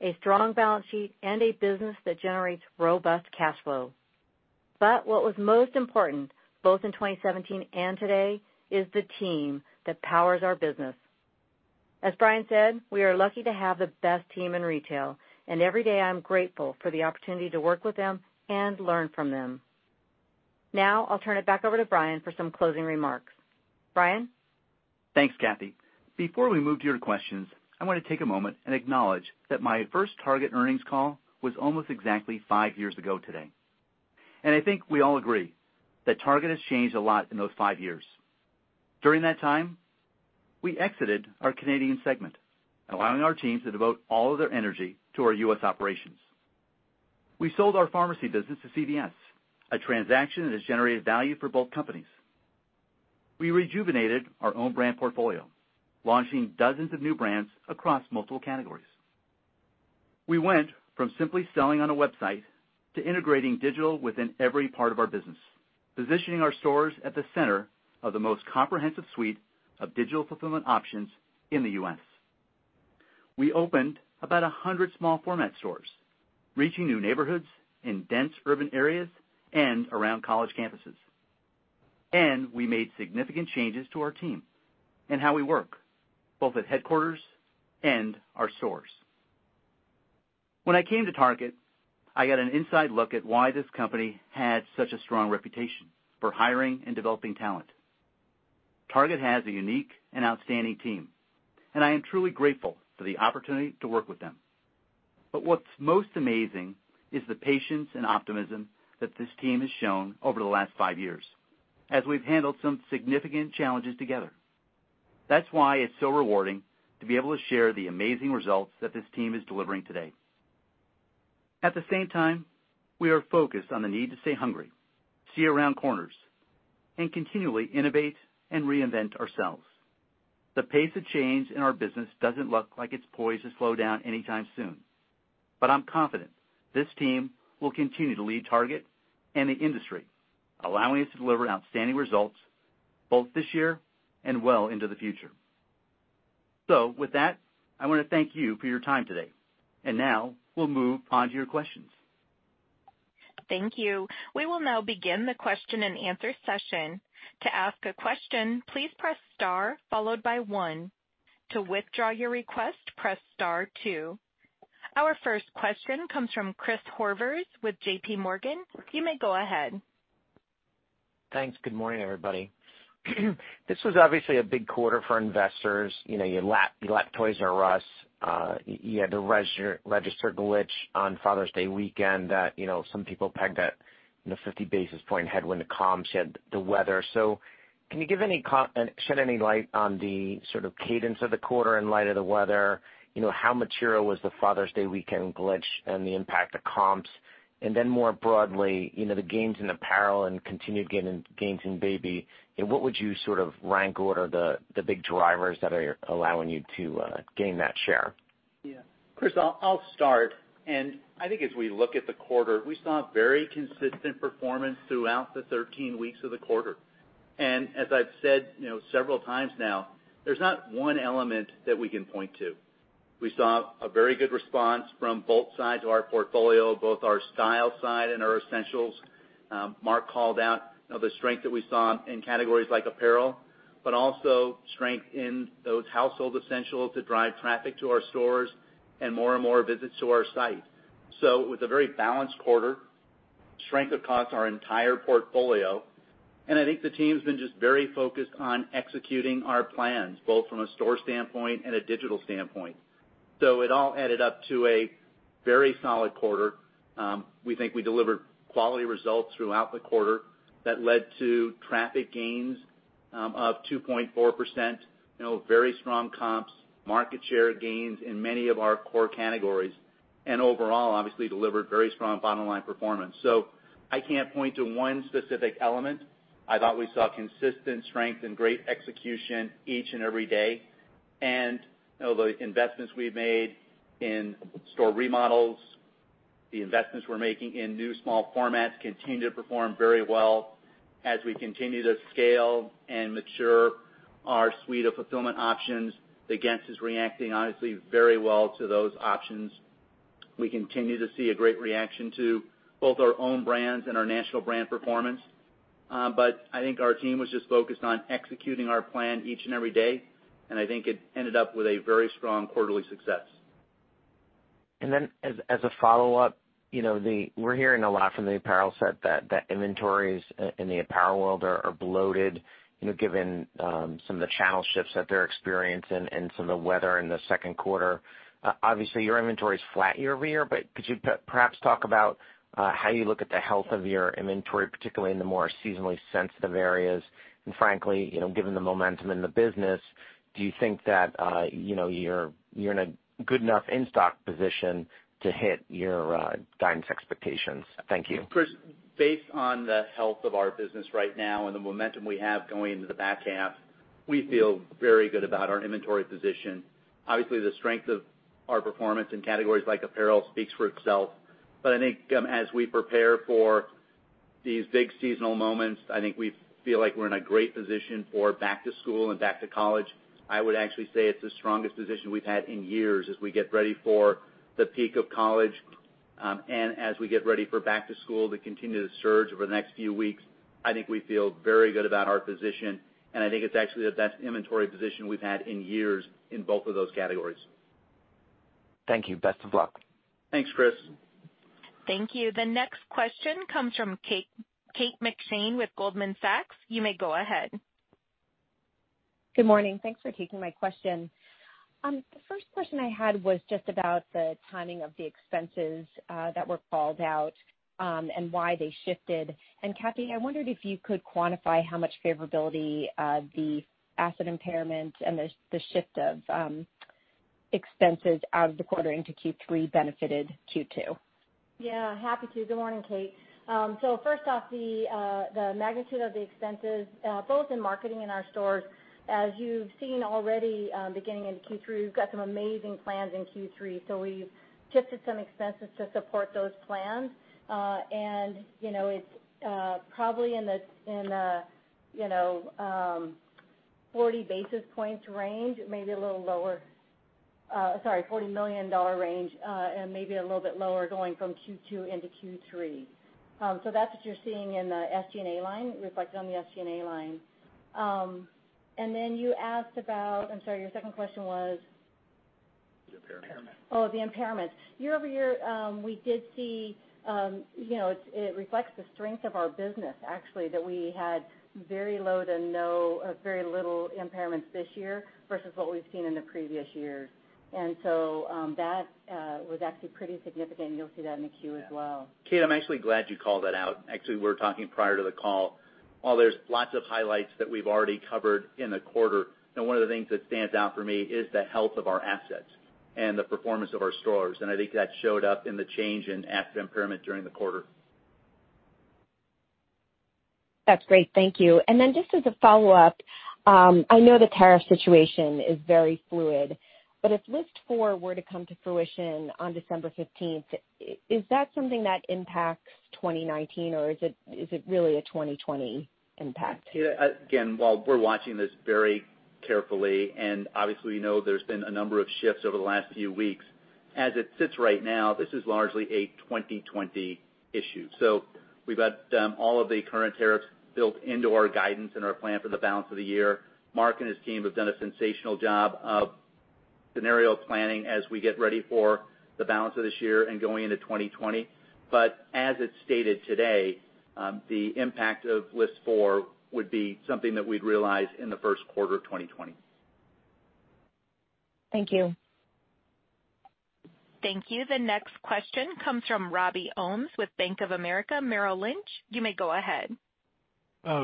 a strong balance sheet, and a business that generates robust cash flow. What was most important, both in 2017 and today, is the team that powers our business. As Brian said, we are lucky to have the best team in retail, and every day I'm grateful for the opportunity to work with them and learn from them. Now, I'll turn it back over to Brian for some closing remarks. Brian? Thanks, Cathy. Before we move to your questions, I want to take a moment and acknowledge that my first Target earnings call was almost exactly five years ago today. I think we all agree that Target has changed a lot in those five years. During that time, we exited our Canadian segment, allowing our teams to devote all of their energy to our U.S. operations. We sold our pharmacy business to CVS, a transaction that has generated value for both companies. We rejuvenated our own brand portfolio, launching dozens of new brands across multiple categories. We went from simply selling on a website to integrating digital within every part of our business, positioning our stores at the center of the most comprehensive suite of digital fulfillment options in the U.S. We opened about 100 small format stores, reaching new neighborhoods in dense urban areas and around college campuses. We made significant changes to our team and how we work, both at headquarters and our stores. When I came to Target, I got an inside look at why this company had such a strong reputation for hiring and developing talent. Target has a unique and outstanding team, and I am truly grateful for the opportunity to work with them. What's most amazing is the patience and optimism that this team has shown over the last five years, as we've handled some significant challenges together. That's why it's so rewarding to be able to share the amazing results that this team is delivering today. At the same time, we are focused on the need to stay hungry, see around corners, and continually innovate and reinvent ourselves. The pace of change in our business doesn't look like it's poised to slow down anytime soon. I'm confident this team will continue to lead Target and the industry, allowing us to deliver outstanding results both this year and well into the future. With that, I want to thank you for your time today. Now we'll move on to your questions. Thank you. We will now begin the question and answer session. To ask a question, please press star followed by one. To withdraw your request, press star two. Our first question comes from Chris Horvers with JPMorgan. You may go ahead. Thanks. Good morning, everybody. This was obviously a big quarter for investors. You lapped Toys Us. You had the register glitch on Father's Day weekend that some people pegged at a 50 basis point headwind to comps. You had the weather. Can you shed any light on the sort of cadence of the quarter in light of the weather? How material was the Father's Day weekend glitch and the impact to comps? More broadly, the gains in apparel and continued gains in baby, and what would you sort of rank order the big drivers that are allowing you to gain that share? Yeah. Chris, I'll start. I think as we look at the quarter, we saw very consistent performance throughout the 13 weeks of the quarter. As I've said several times now, there's not one element that we can point to. We saw a very good response from both sides of our portfolio, both our style side and our essentials. Mark called out the strength that we saw in categories like apparel, but also strength in those household essentials that drive traffic to our stores and more and more visits to our site. It was a very balanced quarter, strength across our entire portfolio, and I think the team's been just very focused on executing our plans, both from a store standpoint and a digital standpoint. It all added up to a very solid quarter. We think we delivered quality results throughout the quarter that led to traffic gains of 2.4%, very strong comps, market share gains in many of our core categories. Overall, obviously delivered very strong bottom-line performance. I can't point to one specific element. I thought we saw consistent strength and great execution each and every day. The investments we've made in store remodels, the investments we're making in new small formats continue to perform very well as we continue to scale and mature our suite of fulfillment options. The guest is reacting, honestly, very well to those options. We continue to see a great reaction to both our own brands and our national brand performance. I think our team was just focused on executing our plan each and every day, and I think it ended up with a very strong quarterly success. As a follow-up, we're hearing a lot from the apparel set that inventories in the apparel world are bloated, given some of the channel shifts that they're experiencing and some of the weather in the second quarter. Obviously, your inventory is flat year-over-year, but could you perhaps talk about how you look at the health of your inventory, particularly in the more seasonally sensitive areas? Frankly, given the momentum in the business, do you think that you're in a good enough in-stock position to hit your guidance expectations? Thank you. Chris, based on the health of our business right now and the momentum we have going into the back half, we feel very good about our inventory position. Obviously, the strength of our performance in categories like apparel speaks for itself. I think as we prepare for these big seasonal moments, I think we feel like we're in a great position for back to school and back to college. I would actually say it's the strongest position we've had in years as we get ready for the peak of college, and as we get ready for back to school to continue to surge over the next few weeks. I think we feel very good about our position, and I think it's actually the best inventory position we've had in years in both of those categories. Thank you. Best of luck. Thanks, Chris. Thank you. The next question comes from Kate McShane with Goldman Sachs. You may go ahead. Good morning. Thanks for taking my question. The first question I had was just about the timing of the expenses that were called out, and why they shifted. Cathy, I wondered if you could quantify how much favorability the asset impairment and the shift of expenses out of the quarter into Q3 benefited Q2. Happy to. Good morning, Kate. First off, the magnitude of the expenses, both in marketing and our stores, as you've seen already, beginning in Q3, we've got some amazing plans in Q3. We've shifted some expenses to support those plans. It's probably in the 40 basis points range, maybe a little lower, sorry, $40 million range, maybe a little bit lower going from Q2 into Q3. That's what you're seeing in the SG&A line, reflected on the SG&A line. Then you asked about, I'm sorry, your second question was? The impairment. The impairment. Year-over-year, we did see it reflects the strength of our business actually, that we had very low to no, very little impairments this year versus what we've seen in the previous years. That was actually pretty significant, and you'll see that in the Q as well. Kate, I'm actually glad you called that out. Actually, we were talking prior to the call. While there's lots of highlights that we've already covered in the quarter, one of the things that stands out for me is the health of our assets and the performance of our stores, and I think that showed up in the change in asset impairment during the quarter. That's great, thank you. Just as a follow-up, I know the tariff situation is very fluid, but if list four were to come to fruition on December 15th, is that something that impacts 2019, or is it really a 2020 impact? Kate, while we're watching this very carefully, obviously we know there's been a number of shifts over the last few weeks, as it sits right now, this is largely a 2020 issue. We've got all of the current tariffs built into our guidance and our plan for the balance of the year. Mark and his team have done a sensational job of scenario planning as we get ready for the balance of this year and going into 2020. As it's stated today, the impact of list four would be something that we'd realize in the first quarter of 2020. Thank you. Thank you. The next question comes from Robert Ohmes with Bank of America Merrill Lynch. You may go ahead.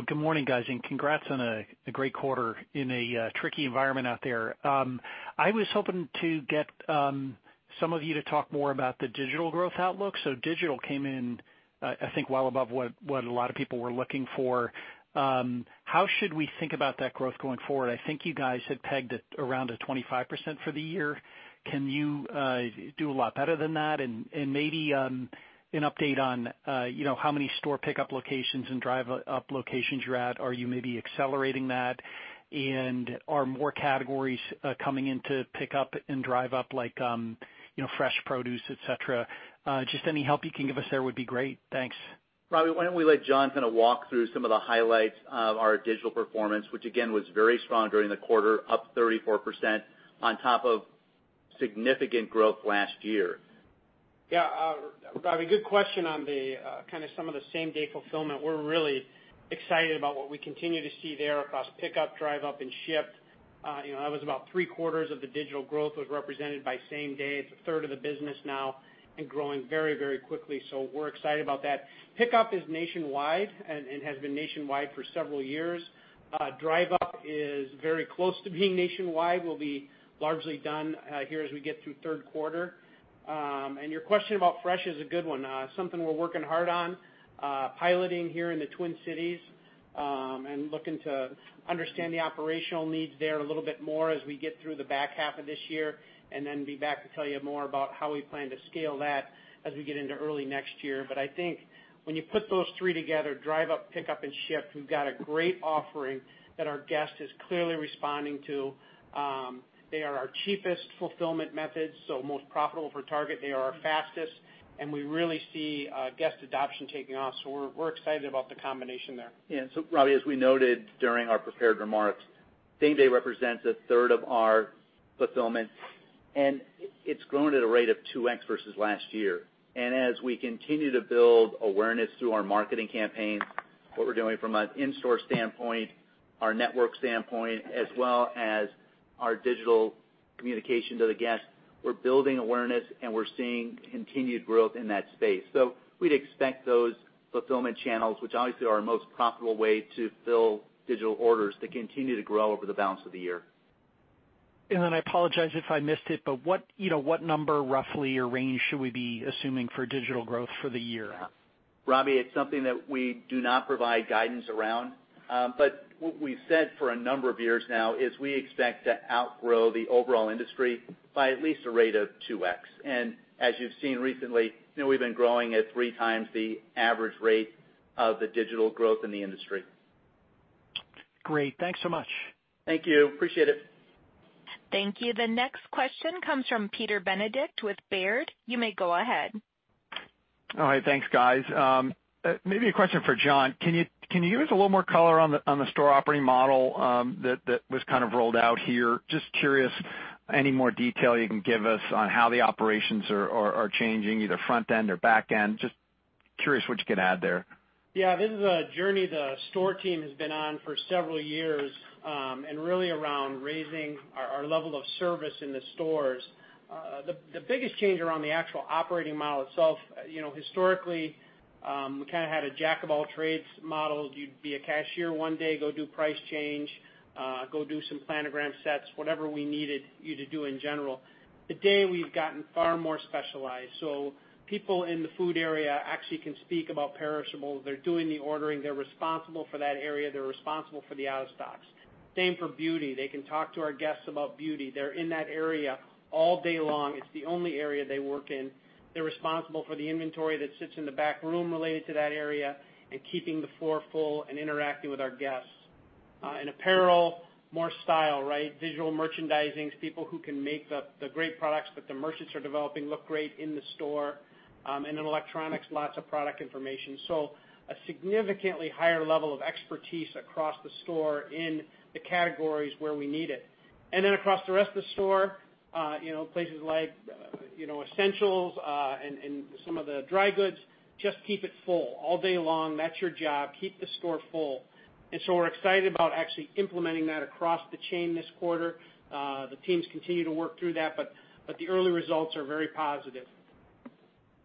Good morning guys, congrats on a great quarter in a tricky environment out there. I was hoping to get some of you to talk more about the digital growth outlook. Digital came in, I think, well above what a lot of people were looking for. How should we think about that growth going forward? I think you guys had pegged it around at 25% for the year. Can you do a lot better than that? Maybe, an update on how many store pickup locations and Drive Up locations you're at. Are you maybe accelerating that? Are more categories coming into pickup and Drive Up like fresh produce, et cetera? Just any help you can give us there would be great. Thanks. Robbie, why don't we let John kind of walk through some of the highlights of our digital performance, which again, was very strong during the quarter, up 34% on top of significant growth last year. Yeah. Robbie, good question on some of the same-day fulfillment. We're really excited about what we continue to see there across pickup, Drive Up, and Shipt. That was about three quarters of the digital growth was represented by same day. It's a third of the business now and growing very, very quickly. We're excited about that. Pickup is nationwide and has been nationwide for several years. Drive Up is very close to being nationwide. We'll be largely done here as we get through third quarter. Your question about fresh is a good one. Something we're working hard on, piloting here in the Twin Cities, and looking to understand the operational needs there a little bit more as we get through the back half of this year, and then be back to tell you more about how we plan to scale that as we get into early next year. I think when you put those three together, Drive Up, pick up, and Shipt, we've got a great offering that our guest is clearly responding to. They are our cheapest fulfillment methods, so most profitable for Target. They are our fastest, and we really see guest adoption taking off, so we're excited about the combination there. Yeah. Robbie, as we noted during our prepared remarks, same day represents a third of our fulfillment, and it's grown at a rate of 2X versus last year. As we continue to build awareness through our marketing campaigns, what we're doing from an in-store standpoint, our network standpoint, as well as our digital communication to the guest, we're building awareness and we're seeing continued growth in that space. We'd expect those fulfillment channels, which obviously are our most profitable way to fill digital orders, to continue to grow over the balance of the year. I apologize if I missed it, but what number roughly or range should we be assuming for digital growth for the year? Robbie, it's something that we do not provide guidance around. What we've said for a number of years now is we expect to outgrow the overall industry by at least a rate of 2X. As you've seen recently, we've been growing at three times the average rate of the digital growth in the industry. Great. Thanks so much. Thank you. Appreciate it. Thank you. The next question comes from Peter Benedict with Baird. You may go ahead. All right. Thanks, guys. Maybe a question for John. Can you give us a little more color on the store operating model that was kind of rolled out here? Just curious any more detail you can give us on how the operations are changing, either front end or back end. Just curious what you can add there. This is a journey the store team has been on for several years, really around raising our level of service in the stores. The biggest change around the actual operating model itself, historically, we kind of had a jack-of-all-trades model. You'd be a cashier one day, go do price change, go do some planogram sets, whatever we needed you to do in general. Today, we've gotten far more specialized. People in the food area actually can speak about perishables. They're doing the ordering. They're responsible for that area. They're responsible for the out of stocks. Same for beauty. They can talk to our guests about beauty. They're in that area all day long. It's the only area they work in. They're responsible for the inventory that sits in the back room related to that area and keeping the floor full and interacting with our guests. In apparel, more style, right? Visual merchandising, people who can make the great products that the merchants are developing look great in the store. In electronics, lots of product information. A significantly higher level of expertise across the store in the categories where we need it. Across the rest of the store, places like essentials, and some of the dry goods, just keep it full all day long. That's your job. Keep the store full. We're excited about actually implementing that across the chain this quarter. The teams continue to work through that, but the early results are very positive.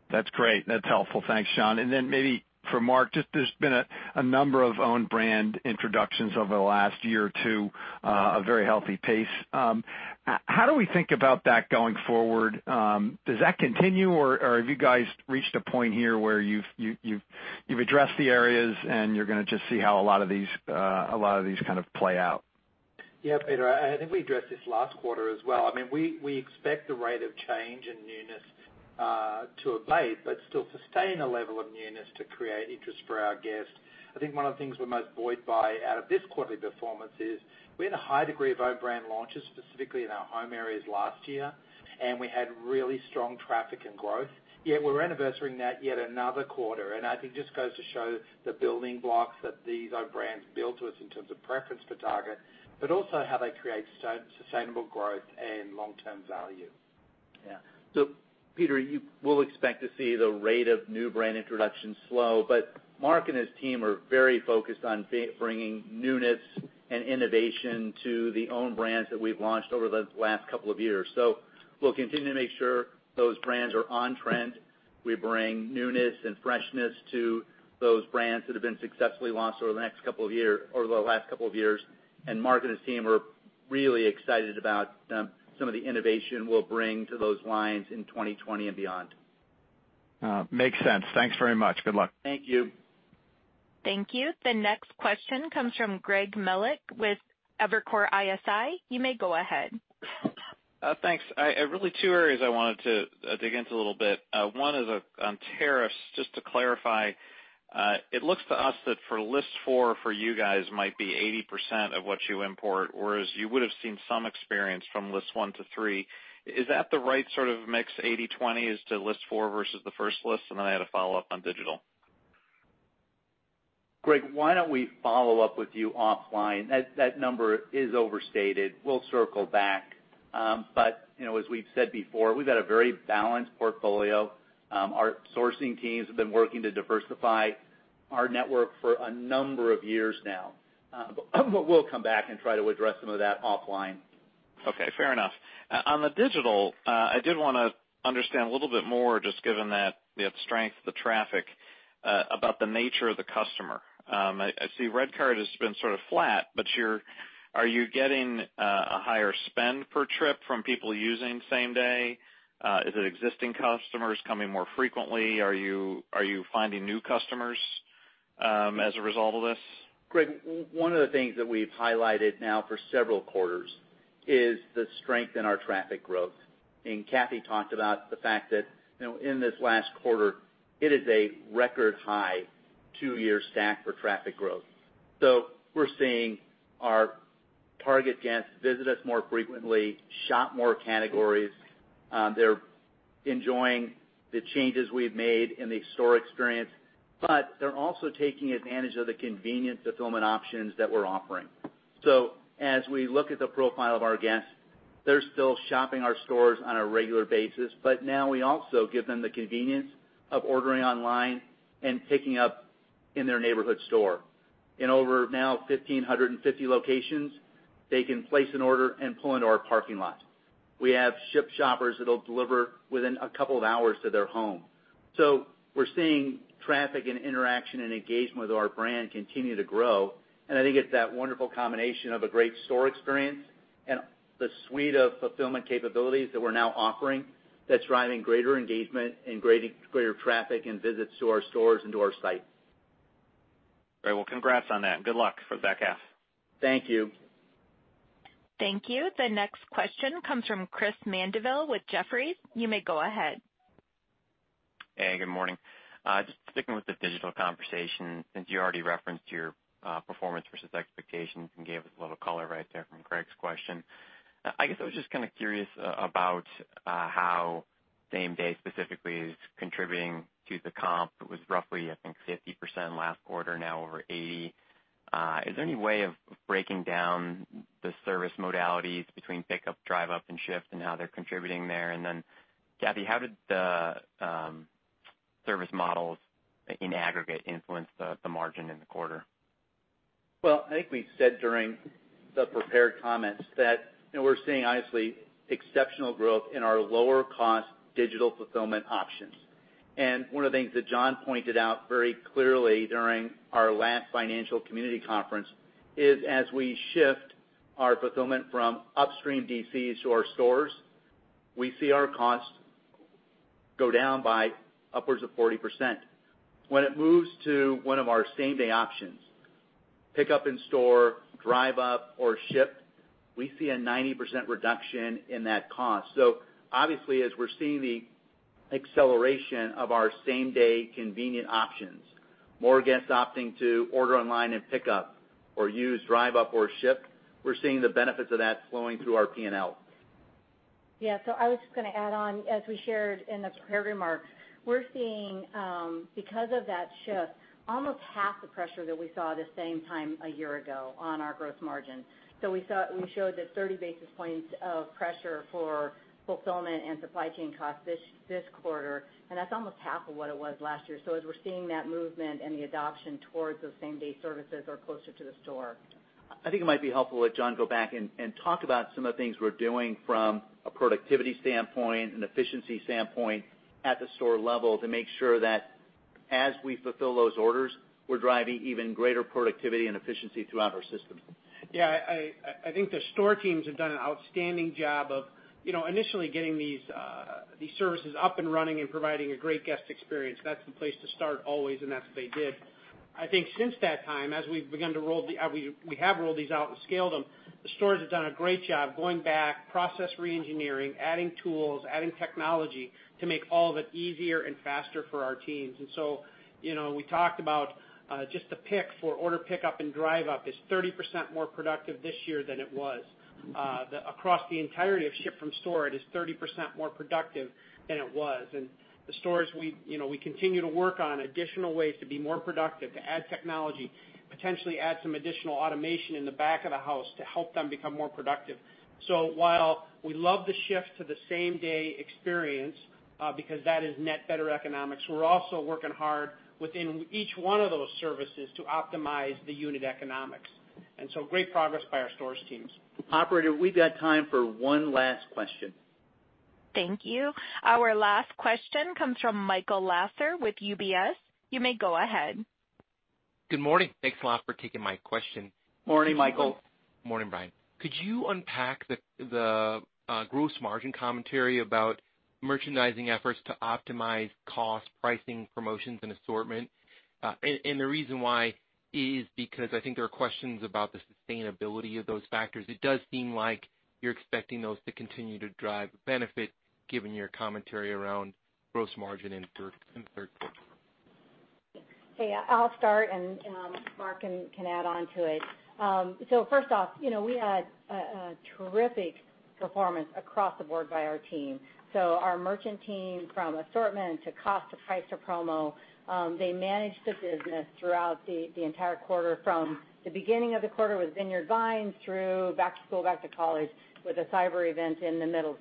That's great. That's helpful. Thanks, John. Maybe for Mark, just there's been a number of own brand introductions over the last year or two, a very healthy pace. How do we think about that going forward? Does that continue, or have you guys reached a point here where you've addressed the areas and you're going to just see how a lot of these kind of play out? Yeah, Peter, I think we addressed this last quarter as well. We expect the rate of change and newness to abate, but still sustain a level of newness to create interest for our guests. I think one of the things we're most buoyed by out of this quarterly performance is we had a high degree of own brand launches, specifically in our home areas last year, and we had really strong traffic and growth, yet we're anniversarying that yet another quarter. I think it just goes to show the building blocks that these own brands build to us in terms of preference for Target, but also how they create sustainable growth and long-term value. Peter, you will expect to see the rate of new brand introduction slow, Mark and his team are very focused on bringing newness and innovation to the own brands that we've launched over the last couple of years. We'll continue to make sure those brands are on trend. We bring newness and freshness to those brands that have been successfully launched over the last couple of years, Mark and his team are really excited about some of the innovation we'll bring to those lines in 2020 and beyond. Makes sense. Thanks very much. Good luck. Thank you. Thank you. The next question comes from Greg Melich with Evercore ISI. You may go ahead. Thanks. Really two areas I wanted to dig into a little bit. One is on tariffs. Just to clarify, it looks to us that for list four for you guys might be 80% of what you import, whereas you would've seen some experience from list one to three. Is that the right sort of mix, 80/20 as to list four versus the first list? I had a follow-up on digital. Greg, why don't we follow up with you offline? That number is overstated. We'll circle back. As we've said before, we've had a very balanced portfolio. Our sourcing teams have been working to diversify our network for a number of years now. We'll come back and try to address some of that offline. Okay, fair enough. On the digital, I did wanna understand a little bit more, just given that strength, the traffic, about the nature of the customer. I see REDcard has been sort of flat, but are you getting a higher spend per trip from people using same day? Is it existing customers coming more frequently? Are you finding new customers as a result of this? Greg, one of the things that we've highlighted now for several quarters is the strength in our traffic growth. Cathy talked about the fact that, in this last quarter, it is a record high two-year stack for traffic growth. We're seeing our Target guests visit us more frequently, shop more categories. They're enjoying the changes we've made in the store experience, but they're also taking advantage of the convenient fulfillment options that we're offering. As we look at the profile of our guests, they're still shopping our stores on a regular basis, but now we also give them the convenience of ordering online and picking up in their neighborhood store. In over now 1,550 locations, they can place an order and pull into our parking lot. We have Shipt shoppers that'll deliver within a couple of hours to their home. We're seeing traffic and interaction and engagement with our brand continue to grow, and I think it's that wonderful combination of a great store experience and the suite of fulfillment capabilities that we're now offering that's driving greater engagement and greater traffic and visits to our stores and to our site. Great. Well, congrats on that, and good luck for the back half. Thank you. Thank you. The next question comes from Chris Mandeville with Jefferies. You may go ahead. Hey, good morning. Just sticking with the digital conversation, since you already referenced your performance versus expectations and gave us a little color right there from Greg's question. I guess I was just curious about how same-day specifically is contributing to the comp. It was roughly, I think, 50% last quarter, now over 80%. Then Gabby, how did the service models in aggregate influence the margin in the quarter? Well, I think we said during the prepared comments that we're seeing honestly exceptional growth in our lower cost digital fulfillment options. One of the things that John pointed out very clearly during our last financial community conference is as we shift our fulfillment from upstream DCs to our stores, we see our cost go down by upwards of 40%. When it moves to one of our same-day options, pick up in-store, Drive Up, or Shipt, we see a 90% reduction in that cost. Obviously, as we're seeing the acceleration of our same-day convenient options, more guests opting to order online and pick up or use Drive Up or Shipt, we're seeing the benefits of that flowing through our P&L. Yeah. I was just going to add on, as we shared in the prepared remarks, we're seeing because of that shift, almost half the pressure that we saw the same time a year ago on our gross margin. We showed the 30 basis points of pressure for fulfillment and supply chain costs this quarter, and that's almost half of what it was last year as we're seeing that movement and the adoption towards those same-day services or closer to the store. I think it might be helpful if John go back and talk about some of the things we're doing from a productivity standpoint and efficiency standpoint at the store level to make sure that as we fulfill those orders, we're driving even greater productivity and efficiency throughout our system. I think the store teams have done an outstanding job of initially getting these services up and running and providing a great guest experience. That's the place to start always, and that's what they did. I think since that time, as we have rolled these out and scaled them, the stores have done a great job going back, process re-engineering, adding tools, adding technology to make all of it easier and faster for our teams. We talked about just the pick for order pick up and Drive Up is 30% more productive this year than it was. Across the entirety of Shipt from store, it is 30% more productive than it was. The stores, we continue to work on additional ways to be more productive, to add technology, potentially add some additional automation in the back of the house to help them become more productive. While we love the shift to the same-day experience because that is net better economics, we're also working hard within each one of those services to optimize the unit economics. Great progress by our stores teams. Operator, we've got time for one last question. Thank you. Our last question comes from Michael Lasser with UBS. You may go ahead. Good morning. Thanks a lot for taking my question. Morning, Michael. Morning, Brian. Could you unpack the gross margin commentary about merchandising efforts to optimize cost, pricing, promotions, and assortment? The reason why is because I think there are questions about the sustainability of those factors. It does seem like you're expecting those to continue to drive benefit given your commentary around gross margin in third quarter. I'll start, and Mark can add onto it. First off, we had a terrific performance across the board by our team. Our merchant team from assortment to cost to price to promo, they managed the business throughout the entire quarter from the beginning of the quarter with Vineyard Vines through back to school, back to college with a cyber event in the middle.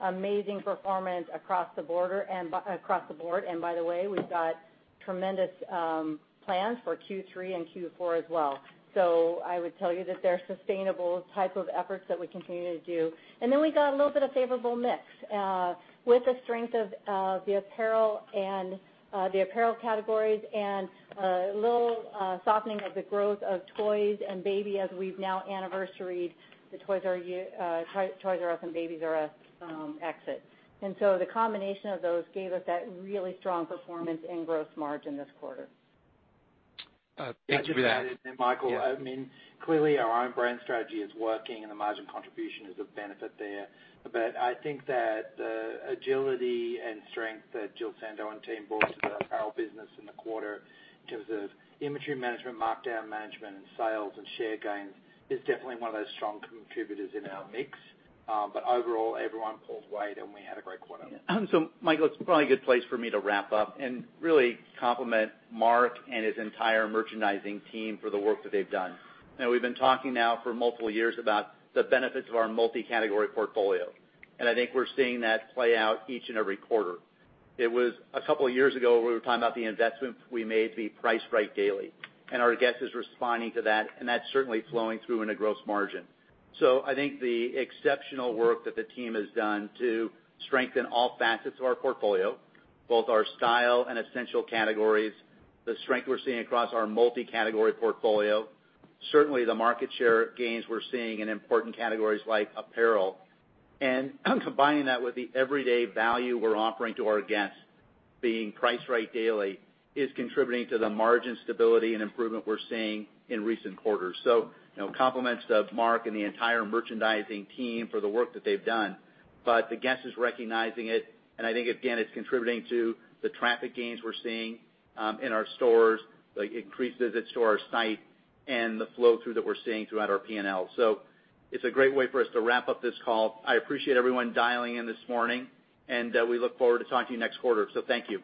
Amazing performance across the board. By the way, we've got tremendous plans for Q3 and Q4 as well. I would tell you that they're sustainable type of efforts that we continue to do. Then we got a little bit of favorable mix with the strength of the apparel categories and a little softening of the growth of toys and baby as we've now anniversaried the Toys Us and Babies Us exit. The combination of those gave us that really strong performance in gross margin this quarter. Thank you for that. Michael, clearly our own brand strategy is working and the margin contribution is of benefit there. I think that the agility and strength that Jill Sando and team brought to the apparel business in the quarter in terms of inventory management, markdown management, and sales and share gains is definitely one of those strong contributors in our mix. Overall, everyone pulled weight and we had a great quarter. Michael, it's probably a good place for me to wrap up and really compliment Mark and his entire merchandising team for the work that they've done. We've been talking now for multiple years about the benefits of our multi-category portfolio. I think we're seeing that play out each and every quarter. It was a couple of years ago, we were talking about the investment we made to be priced right daily. Our guest is responding to that, and that's certainly flowing through into gross margin. I think the exceptional work that the team has done to strengthen all facets of our portfolio, both our style and essential categories, the strength we're seeing across our multi-category portfolio, certainly the market share gains we're seeing in important categories like apparel, and combining that with the everyday value we're offering to our guests, being priced right daily, is contributing to the margin stability and improvement we're seeing in recent quarters. Compliments to Mark and the entire merchandising team for the work that they've done. The guest is recognizing it, and I think, again, it's contributing to the traffic gains we're seeing in our stores, increased visits to our site, and the flow through that we're seeing throughout our P&L. It's a great way for us to wrap up this call. I appreciate everyone dialing in this morning, and we look forward to talking to you next quarter. Thank you.